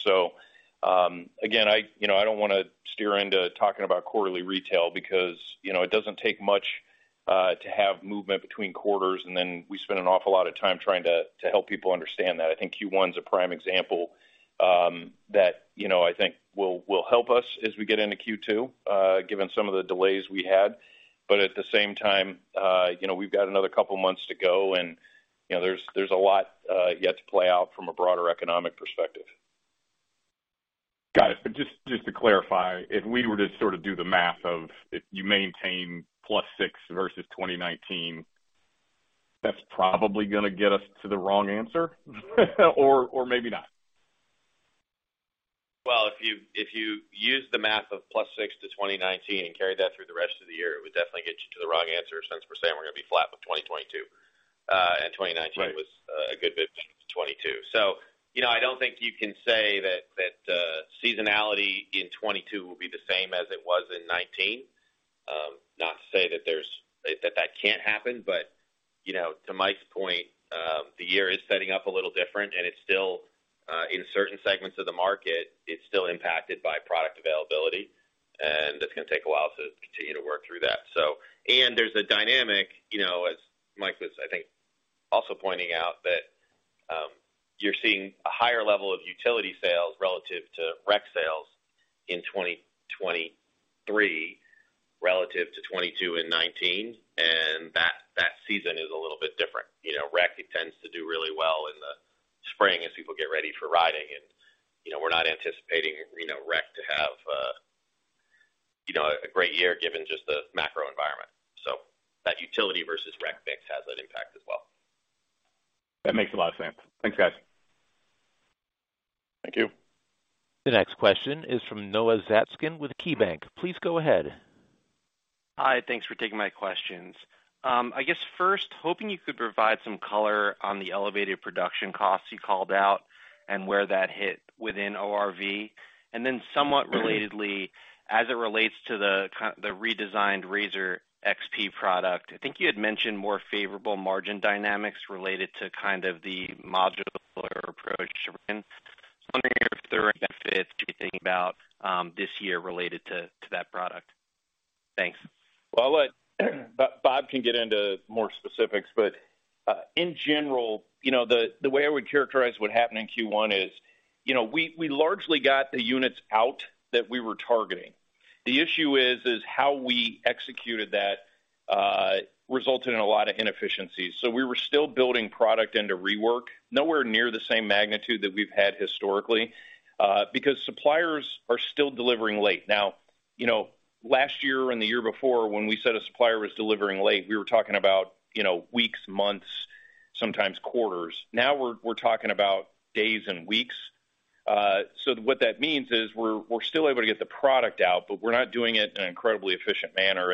Again, I, you know, I don't wanna steer into talking about quarterly retail because, you know, it doesn't take much to have movement between quarters, and then we spend an awful lot of time trying to help people understand that. I think Q1 is a prime example that, you know, I think will help us as we get into Q2 given some of the delays we had. At the same time, you know, we've got another couple of months to go and, you know, there's a lot yet to play out from a broader economic perspective. Got it. Just to clarify, if we were to sort of do the math of if you maintain plus 6% versus 2019, that's probably gonna get us to the wrong answer or maybe not? Well, if you use the math of plus 6% to 2019 and carry that through the rest of the year, it would definitely get you to the wrong answer since we're saying we're gonna be flat with 2022 was a good bit before 2022. You know, I don't think you can say that seasonality in 2022 will be the same as it was in 2019. Not to say that that can't happen, but, you know, to Mike's point, the year is setting up a little different, and it's still in certain segments of the market, it's still impacted by product availability, and that's gonna take a while to continue to work through that. There's a dynamic, you know, as Mike was, I think, also pointing out that you're seeing a higher level of utility sales relative to rec sales in 2023 relative to 2022 and 2019, and that season is a little bit different. You know, rec tends to do really well in the spring as people get ready for riding and, you know, we're not anticipating, you know, rec to have, you know, a great year given just the macro environment. That utility versus rec mix has that impact as well. That makes a lot of sense. Thanks, guys. Thank you. The next question is from Noah Zatzkin with KeyBanc. Please go ahead. Hi. Thanks for taking my questions. I guess first, hoping you could provide some color on the elevated production costs you called out and where that hit within ORV. Somewhat relatedly, as it relates to the redesigned RZR XP product, I think you had mentioned more favorable margin dynamics related to kind of the modular approach. I'm wondering if there are any benefits you're thinking about this year related to that product. Thanks. I'll let Bob get into more specifics, but in general, you know, the way I would characterize what happened in Q1 is, you know, we largely got the units out that we were targeting. The issue is how we executed that resulted in a lot of inefficiencies. We were still building product into rework, nowhere near the same magnitude that we've had historically, because suppliers are still delivering late. You know, last year and the year before, when we said a supplier was delivering late, we were talking about, you know, weeks, months, sometimes quarters. We're talking about days and weeks. What that means is we're still able to get the product out, but we're not doing it in an incredibly efficient manner.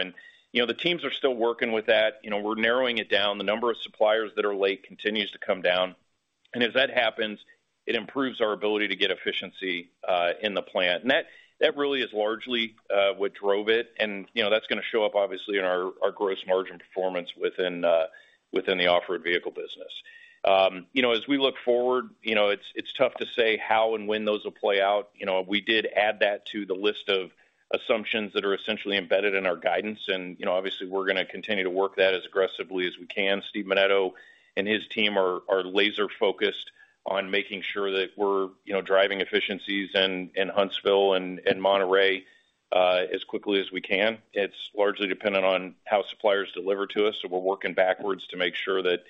You know, the teams are still working with that. You know, we're narrowing it down. The number of suppliers that are late continues to come down. As that happens, it improves our ability to get efficiency in the plant. That really is largely what drove it. You know, that's gonna show up obviously in our gross margin performance within the Off-road vehicle business. You know, as we look forward, you know, it's tough to say how and when those will play out. You know, we did add that to the list of assumptions that are essentially embedded in our guidance and, you know, obviously we're gonna continue to work that as aggressively as we can. Steven Menneto and his team are laser-focused on making sure that we're, you know, driving efficiencies in Huntsville and Monterrey as quickly as we can. It's largely dependent on how suppliers deliver to us. We're working backwards to make sure that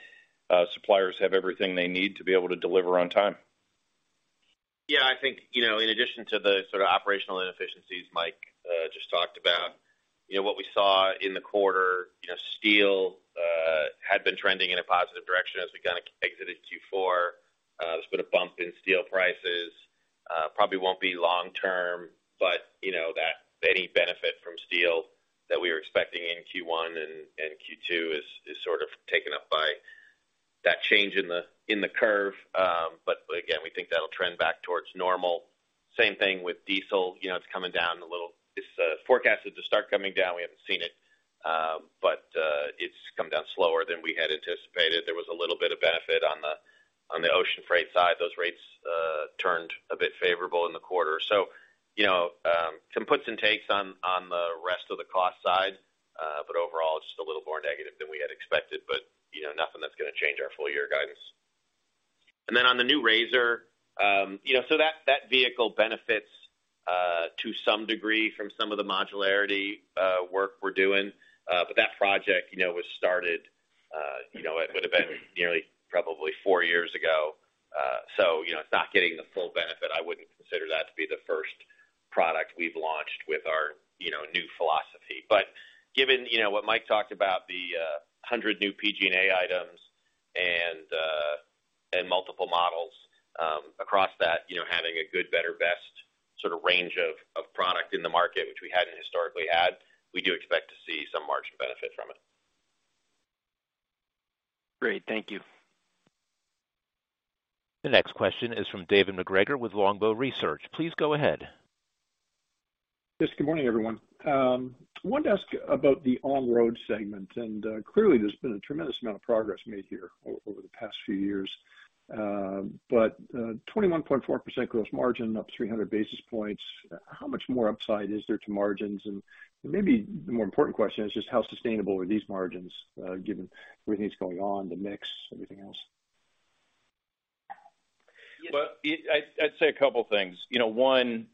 suppliers have everything they need to be able to deliver on time. I think, you know, in addition to the sort of operational inefficiencies Mike just talked about, you know, what we saw in the quarter, you know, steel had been trending in a positive direction as we kind of exited Q4. There's been a bump in steel prices. Probably won't be long term, but you know that any benefit from steel that we were expecting in Q1 and Q2 is sort of taken up by that change in the curve. Again, we think that'll trend back towards normal. Same thing with diesel. You know, it's coming down a little. It's forecasted to start coming down. We haven't seen it, but it's come down slower than we had anticipated. There was a little bit of benefit on the ocean freight side. Those rates turned a bit favorable in the quarter. You know, some puts and takes on the rest of the cost side, but overall just a little more negative than we had expected but, you know, nothing that's gonna change our full year guidance. On the new RZR, you know, so that vehicle benefits to some degree from some of the modularity work we're doing. That project, you know, was started, you know, it would have been nearly probably 4 years ago. You know, it's not getting the full benefit. I wouldn't consider that to be the first product we've launched with our, you know, new philosophy. Given, you know, what Mike talked about, the 100 new PG&A items and multiple models across that, you know, having a good, better, best sort of range of product in the market, which we hadn't historically had, we do expect to see some margin benefit from it. Great. Thank you. The next question is from David MacGregor with Longbow Research. Please go ahead. Yes. Good morning, everyone. I wanted to ask about the On-road segment, clearly there's been a tremendous amount of progress made here over the past few years. 21.4% gross margin, up 300 basis points. How much more upside is there to margins? Maybe the more important question is just how sustainable are these margins, given everything that's going on, the mix, everything else? Well, I'd say a couple of things. You know, one,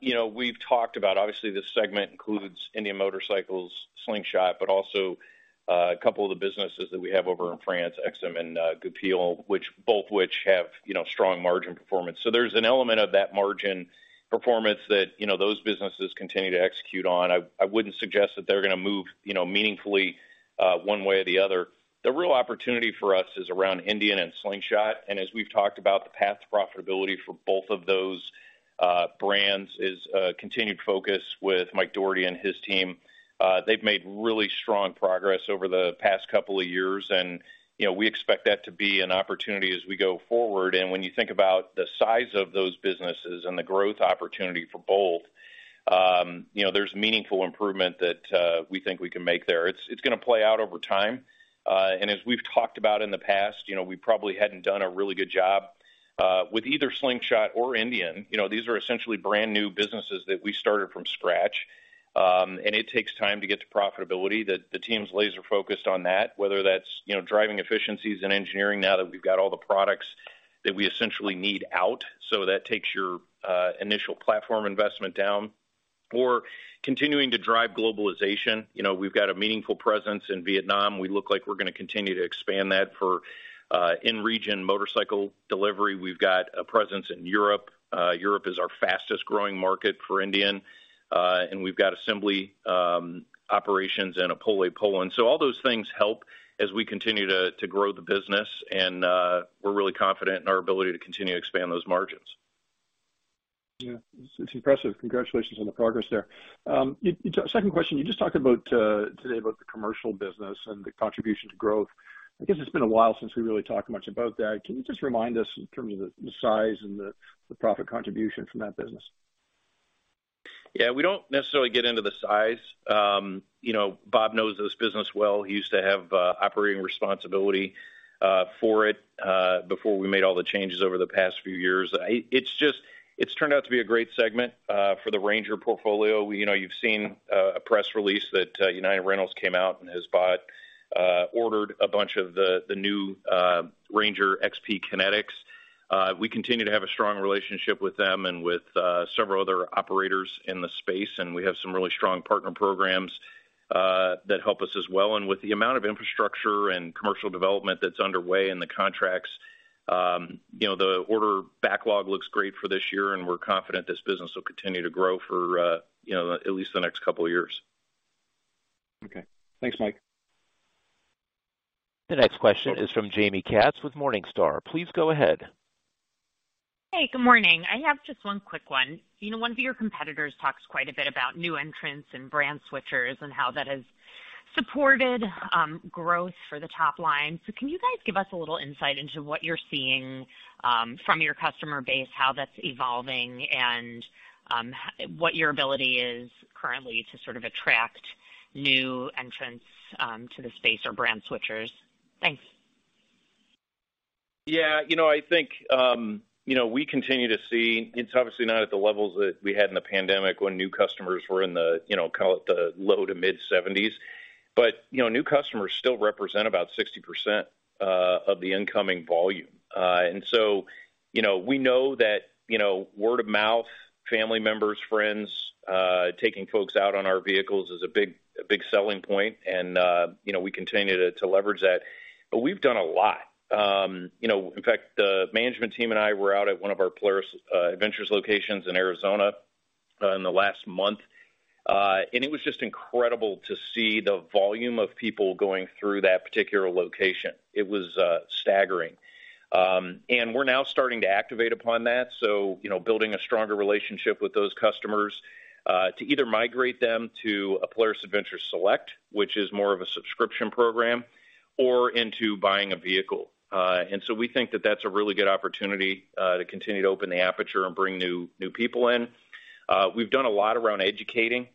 you know, we've talked about obviously this segment includes Indian Motorcycle, Slingshot, but also a couple of the businesses that we have over in France, Aixam and Goupil, both which have, you know, strong margin performance. There's an element of that margin performance that, you know, those businesses continue to execute on. I wouldn't suggest that they're gonna move, you know, meaningfully, one way or the other. The real opportunity for us is around Indian and Slingshot. As we've talked about the path to profitability for both of those brands is a continued focus with Mike Dougherty and his team. They've made really strong progress over the past couple of years and, you know, we expect that to be an opportunity as we go forward. When you think about the size of those businesses and the growth opportunity for both. You know, there's meaningful improvement that we think we can make there. It's gonna play out over time. As we've talked about in the past, you know, we probably hadn't done a really good job with either Slingshot or Indian. You know, these are essentially brand-new businesses that we started from scratch. It takes time to get to profitability. The team's laser-focused on that, whether that's, you know, driving efficiencies and engineering now that we've got all the products that we essentially need out, so that takes your initial platform investment down, or continuing to drive globalization. You know, we've got a meaningful presence in Vietnam. We look like we're gonna continue to expand that for in-region motorcycle delivery. We've got a presence in Europe. Europe is our fastest-growing market for Indian. We've got assembly, operations in Opole, Poland. All those things help as we continue to grow the business and, we're really confident in our ability to continue to expand those margins. Yeah, it's impressive. Congratulations on the progress there. Second question, you just talked about today about the commercial business and the contribution to growth. I guess it's been a while since we really talked much about that. Can you just remind us in terms of the size and the profit contribution from that business? Yeah, we don't necessarily get into the size. You know, Bob knows this business well. He used to have operating responsibility for it before we made all the changes over the past few years. It's just turned out to be a great segment for the RANGER portfolio. You know, you've seen a press release that United Rentals came out and has bought ordered a bunch of the new RANGER XP Kinetics. We continue to have a strong relationship with them and with several other operators in the space, and we have some really strong partner programs that help us as well. With the amount of infrastructure and commercial development that's underway and the contracts, you know, the order backlog looks great for this year, and we're confident this business will continue to grow for, you know, at least the next couple of years. Okay. Thanks, Mike. The next question is from Jaime Katz with Morningstar. Please go ahead. Hey, good morning. I have just one quick one. You know, one of your competitors talks quite a bit about new entrants and brand switchers and how that has supported growth for the top line. Can you guys give us a little insight into what you're seeing from your customer base, how that's evolving, and what your ability is currently to sort of attract new entrants to the space or brand switchers? Thanks. Yeah, I think, we continue to see it's obviously not at the levels that we had in the pandemic when new customers were in the, call it the low to mid 70s. New customers still represent about 60% of the incoming volume. We know that word of mouth, family members, friends, taking folks out on our vehicles is a big selling point and we continue to leverage that. We've done a lot. In fact, the management team and I were out at one of our Polaris Adventures locations in Arizona in the last month. It was just incredible to see the volume of people going through that particular location. It was staggering. We're now starting to activate upon that. You know, building a stronger relationship with those customers, to either migrate them to a Polaris Adventures Select, which is more of a subscription program, or into buying a vehicle. We think that that's a really good opportunity to continue to open the aperture and bring new people in. We've done a lot around educating,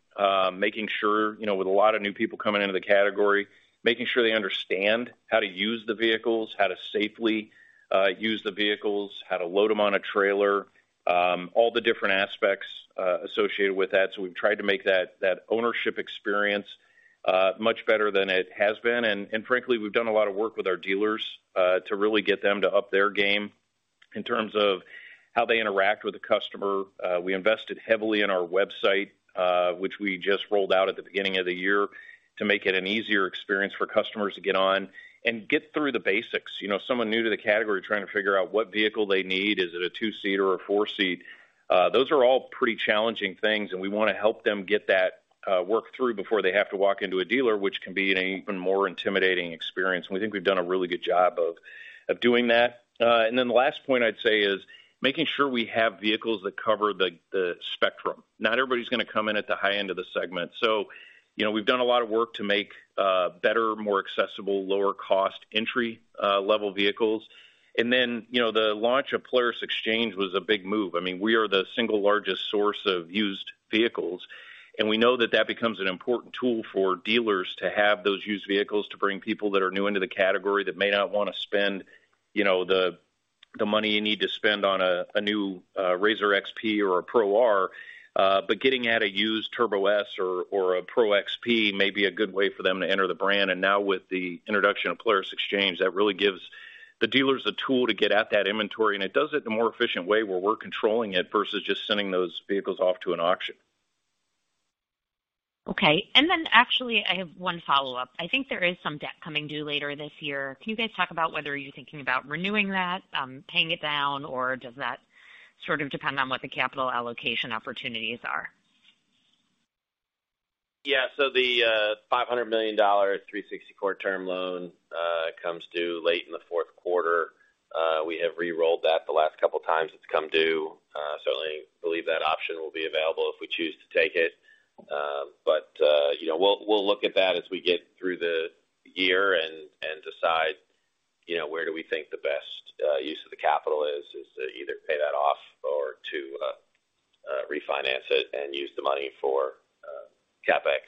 making sure, you know, with a lot of new people coming into the category, making sure they understand how to use the vehicles, how to safely use the vehicles, how to load them on a trailer, all the different aspects associated with that. We've tried to make that ownership experience much better than it has been. Frankly, we've done a lot of work with our dealers, to really get them to up their game in terms of how they interact with the customer. We invested heavily in our website, which we just rolled out at the beginning of the year to make it an easier experience for customers to get on and get through the basics. You know, someone new to the category trying to figure out what vehicle they need. Is it a 2-seater or a 4-seat? Those are all pretty challenging things, and we wanna help them get that, work through before they have to walk into a dealer, which can be an even more intimidating experience. We think we've done a really good job of doing that. The last point I'd say is making sure we have vehicles that cover the spectrum. Not everybody's gonna come in at the high end of the segment. You know, we've done a lot of work to make better, more accessible, lower cost entry level vehicles. You know, the launch of Polaris Xchange was a big move. I mean, we are the single largest source of used vehicles, and we know that that becomes an important tool for dealers to have those used vehicles to bring people that are new into the category that may not wanna spend, you know, the money you need to spend on a new RZR XP or a RZR Pro R. But getting at a used RZR Turbo S or a RZR Pro XP may be a good way for them to enter the brand. Now with the introduction of Polaris Xchange, that really gives the dealers a tool to get at that inventory, and it does it in a more efficient way where we're controlling it versus just sending those vehicles off to an auction. Okay. Actually, I have one follow-up. I think there is some debt coming due later this year. Can you guys talk about whether you're thinking about renewing that, paying it down, or does that sort of depend on what the capital allocation opportunities are? The $500 million 364-day term loan comes due late in the fourth quarter. We have re-rolled that the last couple of times it's come due. Certainly believe that option will be available if we choose to take it. You know, we'll look at that as we get through the year and decide, you know, where do we think the best use of the capital is to either pay that off or to refinance it and use the money for CapEx,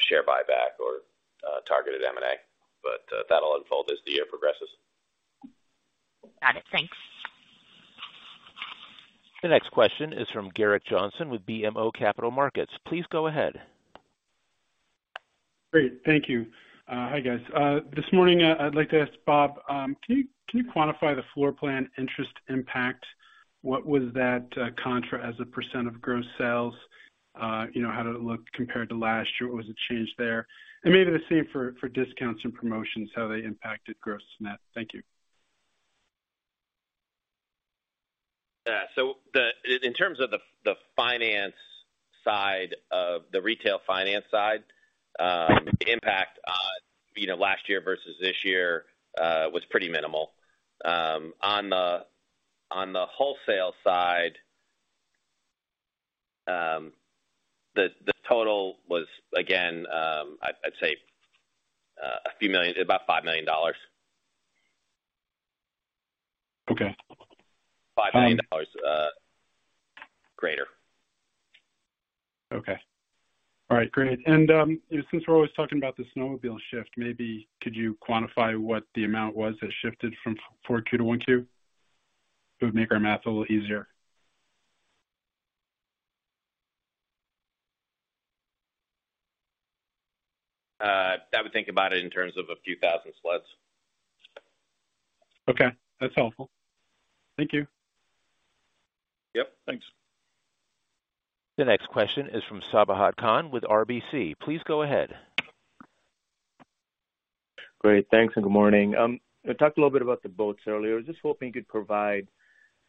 share buyback or targeted M&A. That'll unfold as the year progresses. Got it. Thanks. The next question is from Gerrick Johnson with BMO Capital Markets. Please go ahead. Great. Thank you. Hi, guys. This morning, I'd like to ask Bob, can you quantify the floor plan interest impact? What was that, contra as a percent of gross sales? You know, how did it look compared to last year? What was the change there? Maybe the same for discounts and promotions, how they impacted gross net. Thank you. Yeah. In terms of the finance side of the retail finance side, the impact, you know, last year versus this year, was pretty minimal. On the wholesale side, the total was again, I'd say, a few million, about $5 million. Okay. $5 million, greater. Okay. All right. Great. Since we're always talking about the snowmobile shift, maybe could you quantify what the amount was that shifted from Q4 to Q2? It would make our math a little easier. I would think about it in terms of a few thousand sleds. Okay. That's helpful. Thank you. Yep. Thanks. The next question is from Sabahat Khan with RBC. Please go ahead. Great. Thanks, good morning. You talked a little bit about the boats earlier. I was just hoping you could provide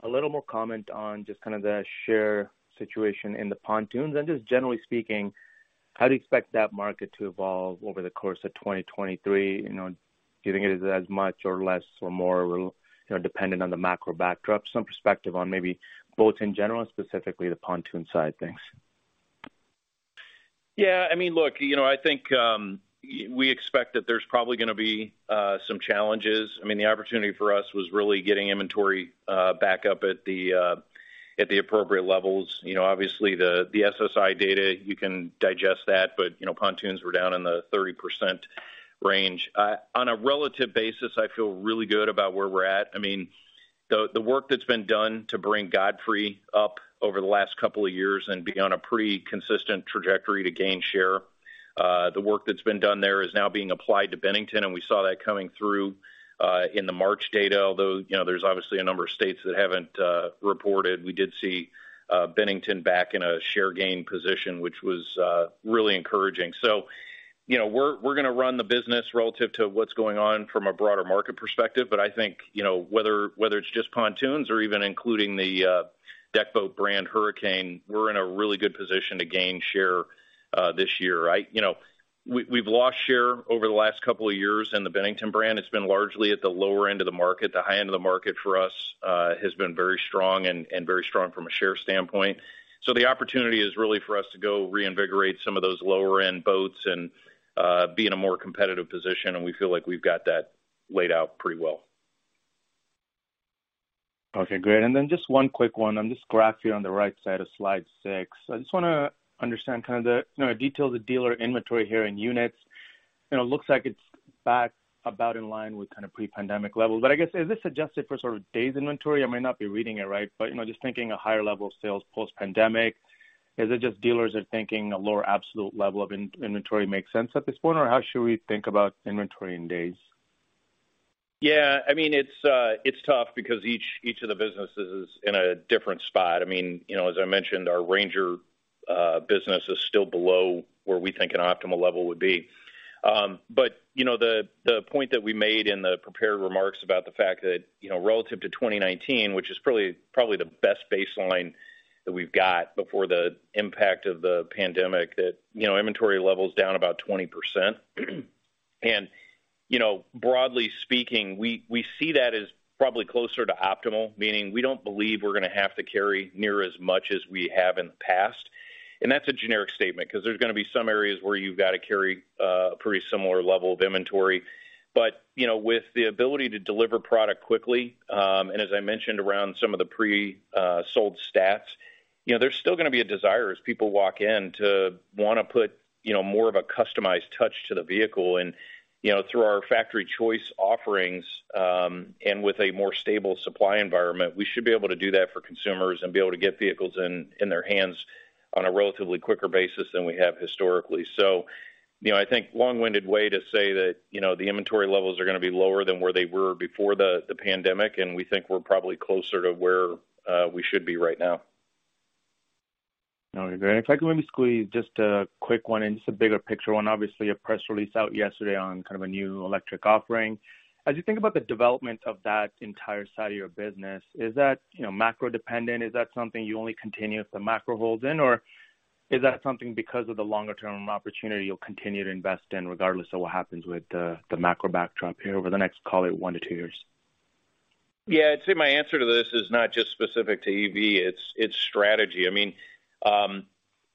a little more comment on just kind of the share situation in the pontoons. Just generally speaking, how do you expect that market to evolve over the course of 2023? You know, do you think it is as much or less or more, you know, dependent on the macro backdrop? Some perspective on maybe boats in general and specifically the pontoon side. Thanks. Yeah, I mean, look, you know, I think, we expect that there's probably gonna be some challenges. I mean, the opportunity for us was really getting inventory back up at the appropriate levels. You know, obviously the SSI data, you can digest that. You know, pontoons were down in the 30% range. On a relative basis, I feel really good about where we're at. I mean, the work that's been done to bring Godfrey up over the last couple of years and be on a pretty consistent trajectory to gain share, the work that's been done there is now being applied to Bennington, and we saw that coming through in the March data, although, you know, there's obviously a number of states that haven't reported. We did see Bennington back in a share gain position, which was really encouraging. You know, we're gonna run the business relative to what's going on from a broader market perspective. I think, you know, whether it's just pontoons or even including the deck boat brand Hurricane, we're in a really good position to gain share this year. You know, we've lost share over the last couple of years in the Bennington brand. It's been largely at the lower end of the market. The high end of the market for us has been very strong and very strong from a share standpoint. The opportunity is really for us to go reinvigorate some of those lower end boats and be in a more competitive position, and we feel like we've got that laid out pretty well. Okay, great. Just one quick one on this graph here on the right side of slide six. I just wanna understand kind of the, you know, details of dealer inventory here in units. You know, it looks like it's back about in line with kind of pre-pandemic levels. I guess, is this adjusted for sort of days inventory? I might not be reading it right, but, you know, just thinking a higher level of sales post-pandemic, is it just dealers are thinking a lower absolute level of in-inventory makes sense at this point, or how should we think about inventory in days? Yeah, I mean, it's tough because each of the businesses is in a different spot. I mean, you know, as I mentioned, our RANGER business is still below where we think an optimal level would be. You know, the point that we made in the prepared remarks about the fact that, you know, relative to 2019, which is probably the best baseline that we've got before the impact of the pandemic, that, you know, inventory levels down about 20%. You know, broadly speaking, we see that as probably closer to optimal, meaning we don't believe we're gonna have to carry near as much as we have in the past. That's a generic statement because there's gonna be some areas where you've got to carry a pretty similar level of inventory. You know, with the ability to deliver product quickly, and as I mentioned around some of the pre-sold stats, you know, there's still gonna be a desire as people walk in to wanna put, you know, more of a customized touch to the vehicle. You know, through our Factory Choice offerings, and with a more stable supply environment, we should be able to do that for consumers and be able to get vehicles in their hands on a relatively quicker basis than we have historically. You know, I think long-winded way to say that, you know, the inventory levels are gonna be lower than where they were before the pandemic, and we think we're probably closer to where we should be right now. No, you're great. If I could maybe squeeze just a quick one and just a bigger picture one. Obviously, a press release out yesterday on kind of a new electric offering. As you think about the development of that entire side of your business, is that, you know, macro dependent? Is that something you only continue if the macro holds in, or is that something because of the longer term opportunity you'll continue to invest in regardless of what happens with the macro backdrop here over the next, call it one to two years? Yeah, I'd say my answer to this is not just specific to EV, it's strategy. I mean,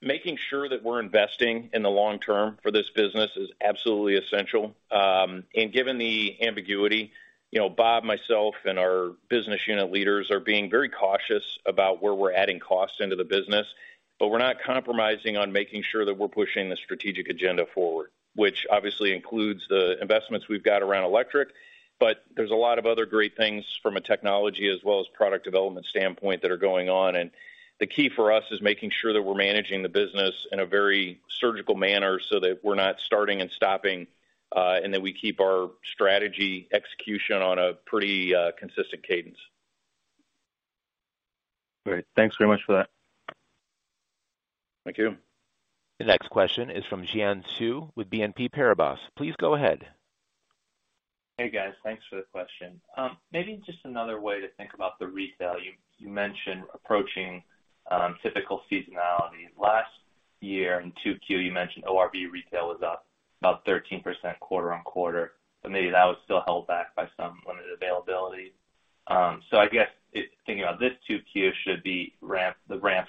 making sure that we're investing in the long term for this business is absolutely essential. Given the ambiguity, you know, Bob, myself, and our business unit leaders are being very cautious about where we're adding costs into the business. We're not compromising on making sure that we're pushing the strategic agenda forward, which obviously includes the investments we've got around electric. There's a lot of other great things from a technology as well as product development standpoint that are going on. The key for us is making sure that we're managing the business in a very surgical manner so that we're not starting and stopping, and that we keep our strategy execution on a pretty consistent cadence. Great. Thanks very much for that. Thank you. The next question is from Xian Siew with BNP Paribas. Please go ahead. Hey, guys. Thanks for the question. Maybe just another way to think about the retail. You, you mentioned approaching typical seasonality. Last year in Q2, you mentioned ORV retail was up about 13% quarter-on-quarter, but maybe that was still held back by some limited availability. I guess if thinking about this Q2, the ramp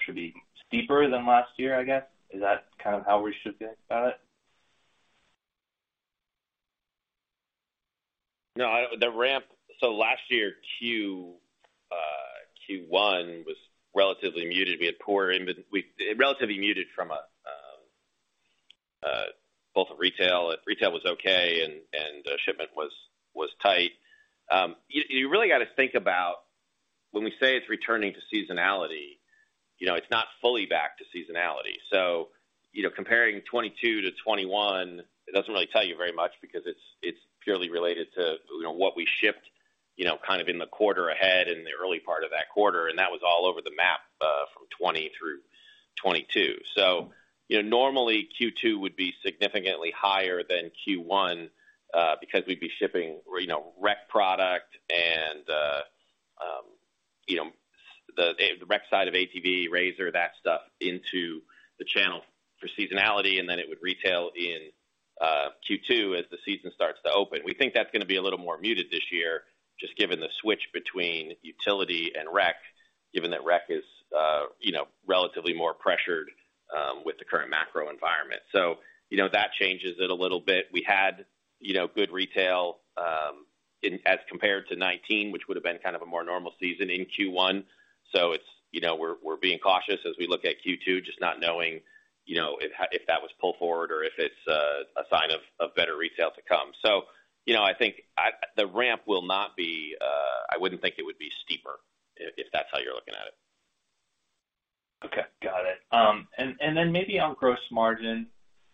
should be steeper than last year, I guess. Is that kind of how we should think about it? No. Last year, Q1 was relatively muted. We had relatively muted from a both of retail. Retail was okay and shipment was tight. You really gotta think about when we say it's returning to seasonality, you know, it's not fully back to seasonality. Comparing 2022 to 2021, it doesn't really tell you very much because it's purely related to, you know, what we shipped, you know, kind of in the quarter ahead, in the early part of that quarter, and that was all over the map from 2020 through 2022. You know, normally Q2 would be significantly higher than Q1, because we'd be shipping, you know, rec product and, you know, the rec side of ATV, RZR, that stuff into the channel for seasonality, and then it would retail in Q2 as the season starts to open. We think that's gonna be a little more muted this year, just given the switch between utility and rec, given that rec is, you know, relatively more pressured with the current macro environment. You know, that changes it a little bit. We had, you know, good retail as compared to 2019, which would've been kind of a more normal season in Q1. It's, you know, we're being cautious as we look at Q2, just not knowing, you know, if that was pulled forward or if it's a sign of better retail to come. You know, I think the ramp will not be, I wouldn't think it would be steeper if that's how you're looking at it. Okay, got it. Maybe on gross margin,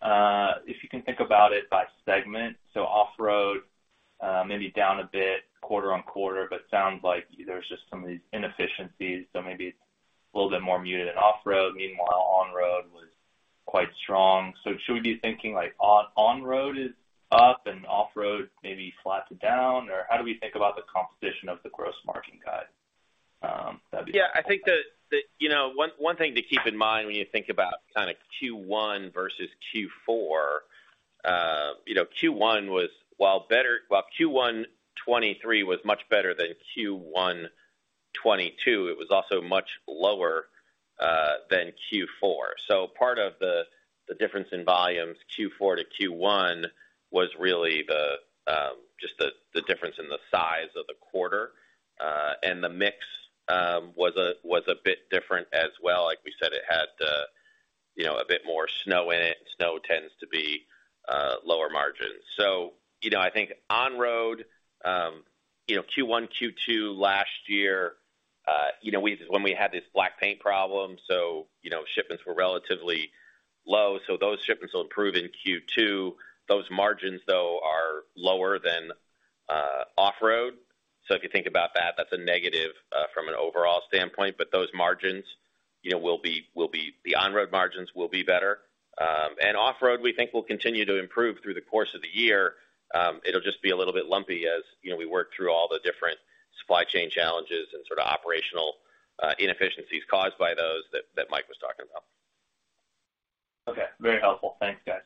if you can think about it by segment, Off-road, maybe down a bit quarter-on-quarter, but sounds like there's just some of these inefficiencies. Maybe it's a little bit more muted in Off-road. Meanwhile, On-road was quite strong. Should we be thinking like On-road is up and Off-road maybe flat to down? How do we think about the composition of the gross margin guide? Yeah, I think the, you know, one thing to keep in mind when you think about kind of Q1 versus Q4, you know, Q1 2023 was much better than Q1 2022, it was also much lower than Q4. Part of the difference in volumes Q4 to Q1 was really the just the difference in the size of the quarter. The mix was a bit different as well. Like we said, it had the, you know, a bit more snow in it, and snow tends to be lower margins. You know, I think On-road, you know, Q1, Q2 last year, you know, when we had this black paint problem, so, you know, shipments were relatively low, so those shipments will improve in Q2. Those margins, though, are lower than Off-road. If you think about that's a negative from an overall standpoint. Those margins, you know, will be the On-road margins will be better. Off-road, we think will continue to improve through the course of the year. It'll just be a little bit lumpy as, you know, we work through all the different supply chain challenges and sort of operational inefficiencies caused by those that Mike was talking about. Okay. Very helpful. Thanks, guys.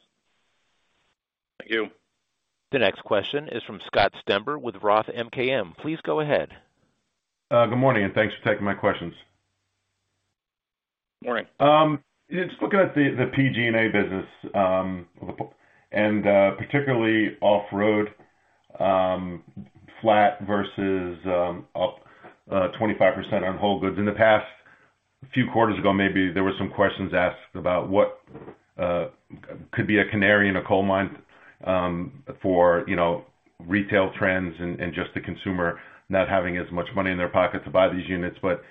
Thank you. The next question is from Scott Stember with ROTH MKM. Please go ahead. Good morning, and thanks for taking my questions. Morning. Just looking at the PG&A business, and particularly Off-road, flat versus up 25% on whole goods. In the past few quarters ago, maybe there were some questions asked about what could be a canary in a coal mine, for, you know, retail trends and just the consumer not having as much money in their pocket to buy these units. What,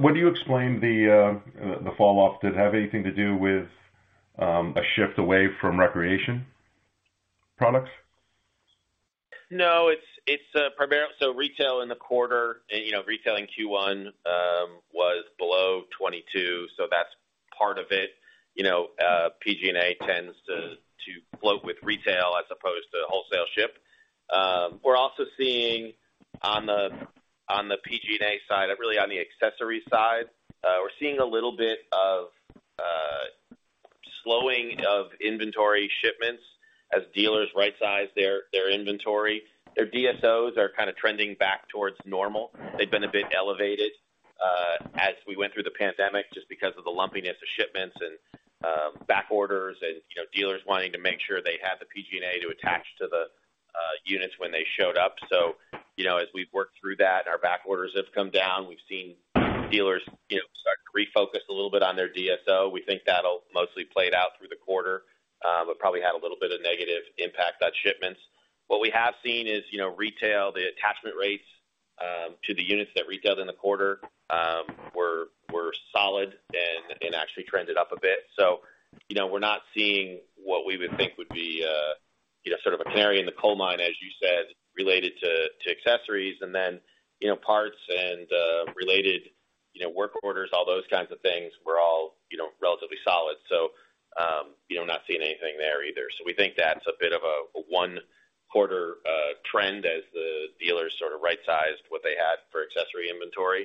would you explain the fall off? Did it have anything to do with a shift away from recreation products? No, it's primarily. Retail in the quarter, and, you know, retail in Q1 was below 2022, so that's part of it. You know, PG&A tends to float with retail as opposed to wholesale ship. We're also seeing on the PG&A side, really on the accessories side, we're seeing a little bit of slowing of inventory shipments as dealers rightsize their inventory. Their DSOs are kind of trending back towards normal. They've been a bit elevated as we went through the pandemic just because of the lumpiness of shipments and back orders and, you know, dealers wanting to make sure they had the PG&A to attach to the units when they showed up. You know, as we've worked through that and our back orders have come down, we've seen dealers, you know, start to refocus a little bit on their DSO. We think that'll mostly play it out through the quarter, but probably had a little bit of negative impact on shipments. What we have seen is, you know, retail, the attachment rates to the units that retailed in the quarter, were solid and actually trended up a bit. You know, we're not seeing what we would think would be, you know, sort of a canary in the coal mine, as you said, related to accessories and then, you know, parts and related, you know, work orders, all those kinds of things were all, you know, relatively solid. You know, not seeing anything there either. We think that's a bit of a one quarter trend as the dealers sort of right-sized what they had for accessory inventory.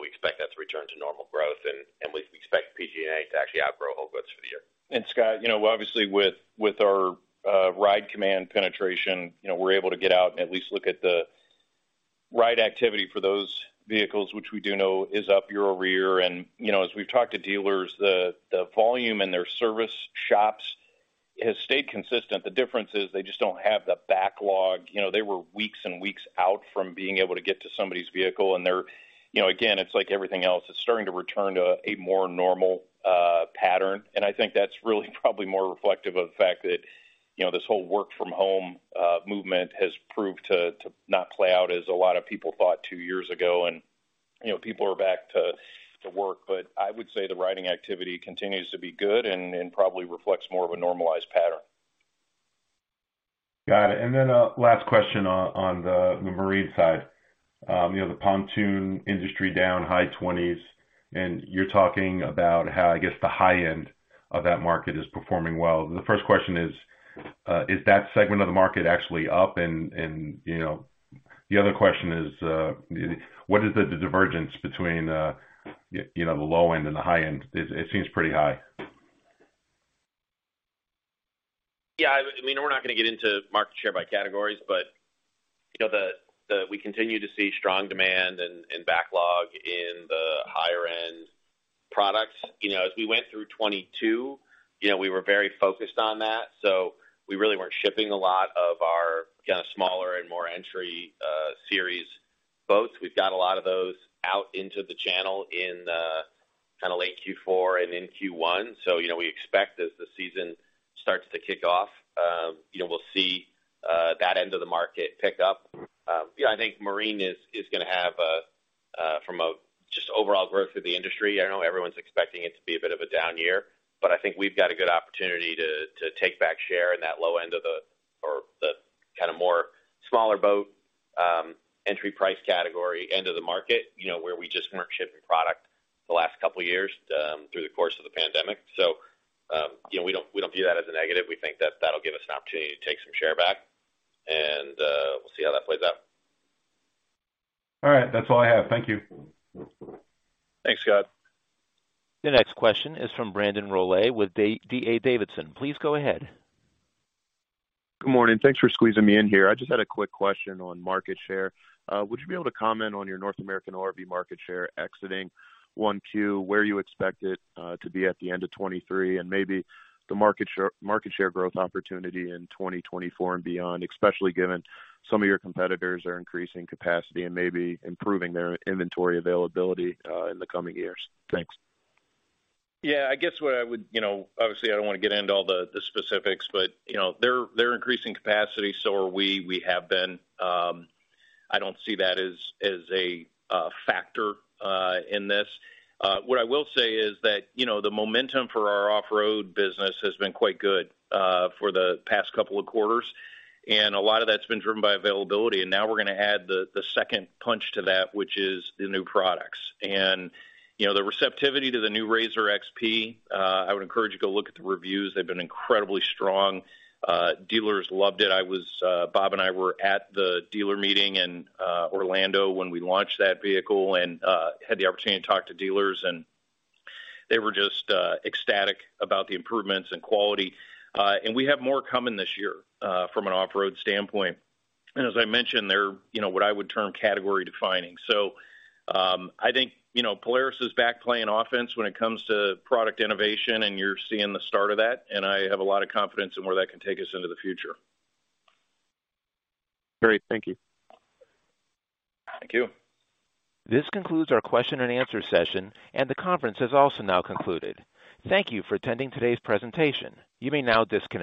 We expect that to return to normal growth and we expect PG&A to actually outgrow whole goods for the year. Scott, you know, obviously with our RIDE COMMAND penetration, you know, we're able to get out and at least look at the ride activity for those vehicles, which we do know is up year-over-year. You know, as we've talked to dealers, the volume in their service shops has stayed consistent. The difference is they just don't have the backlog. You know, they were weeks and weeks out from being able to get to somebody's vehicle. They're, you know, again, it's like everything else, it's starting to return to a more normal pattern. I think that's really probably more reflective of the fact that, you know, this whole work from home movement has proved to not play out as a lot of people thought two years ago. You know, people are back to work. I would say the riding activity continues to be good and probably reflects more of a normalized pattern. Got it. A last question on the Marine side. you know, the pontoon industry down high twenties, and you're talking about how, I guess the high end of that market is performing well. The first question is that segment of the market actually up? The other question is, what is the divergence between, you know, the low end and the high end? It seems pretty high. I mean, we're not gonna get into market share by categories, but, you know, we continue to see strong demand and backlog in the higher end products. You know, as we went through 2022, you know, we were very focused on that. We really weren't shipping a lot of our kind of smaller and more entry series boats. We've got a lot of those out into the channel in kind of late Q4 and in Q1. You know, we expect as the season starts to kick off, you know, we'll see that end of the market pick up. I think Marine is gonna have a from a just overall growth of the industry. I know everyone's expecting it to be a bit of a down year, but I think we've got a good opportunity to take back share in that low end of the, or the kind of more smaller boat, entry price category end of the market, you know, where we just weren't shipping product the last couple of years through the course of the pandemic. You know, we don't view that as a negative. We think that that'll give us an opportunity to take some share back and, we'll see how that plays out. All right, that's all I have. Thank you. Thanks, Scott. The next question is from Brandon Rolle with D.A. Davidson. Please go ahead. Good morning. Thanks for squeezing me in here. I just had a quick question on market share. Would you be able to comment on your North American ORV market share exiting Q1, where you expect it to be at the end of 2023 and maybe the market share growth opportunity in 2024 and beyond, especially given some of your competitors are increasing capacity and maybe improving their inventory availability in the coming years? Thanks. Yeah, you know, obviously I don't want to get into all the specifics, but, you know, they're increasing capacity, so are we. We have been. I don't see that as a factor, in this. What I will say is that, you know, the momentum for our Off-road business has been quite good, for the past couple of quarters, and a lot of that's been driven by availability. Now we're gonna add the second punch to that, which is the new products. You know, the receptivity to the new RZR XP, I would encourage you to go look at the reviews. They've been incredibly strong. Dealers loved it. I was, Bob and I were at the dealer meeting in Orlando when we launched that vehicle and had the opportunity to talk to dealers, and they were just ecstatic about the improvements and quality. We have more coming this year from an Off-road standpoint. As I mentioned, they're, you know, what I would term category defining. I think, you know, Polaris is back playing offense when it comes to product innovation, and you're seeing the start of that, and I have a lot of confidence in where that can take us into the future. Great. Thank you. Thank you. This concludes our Q&A, and the conference has also now concluded. Thank you for attending today's presentation. You may now disconnect.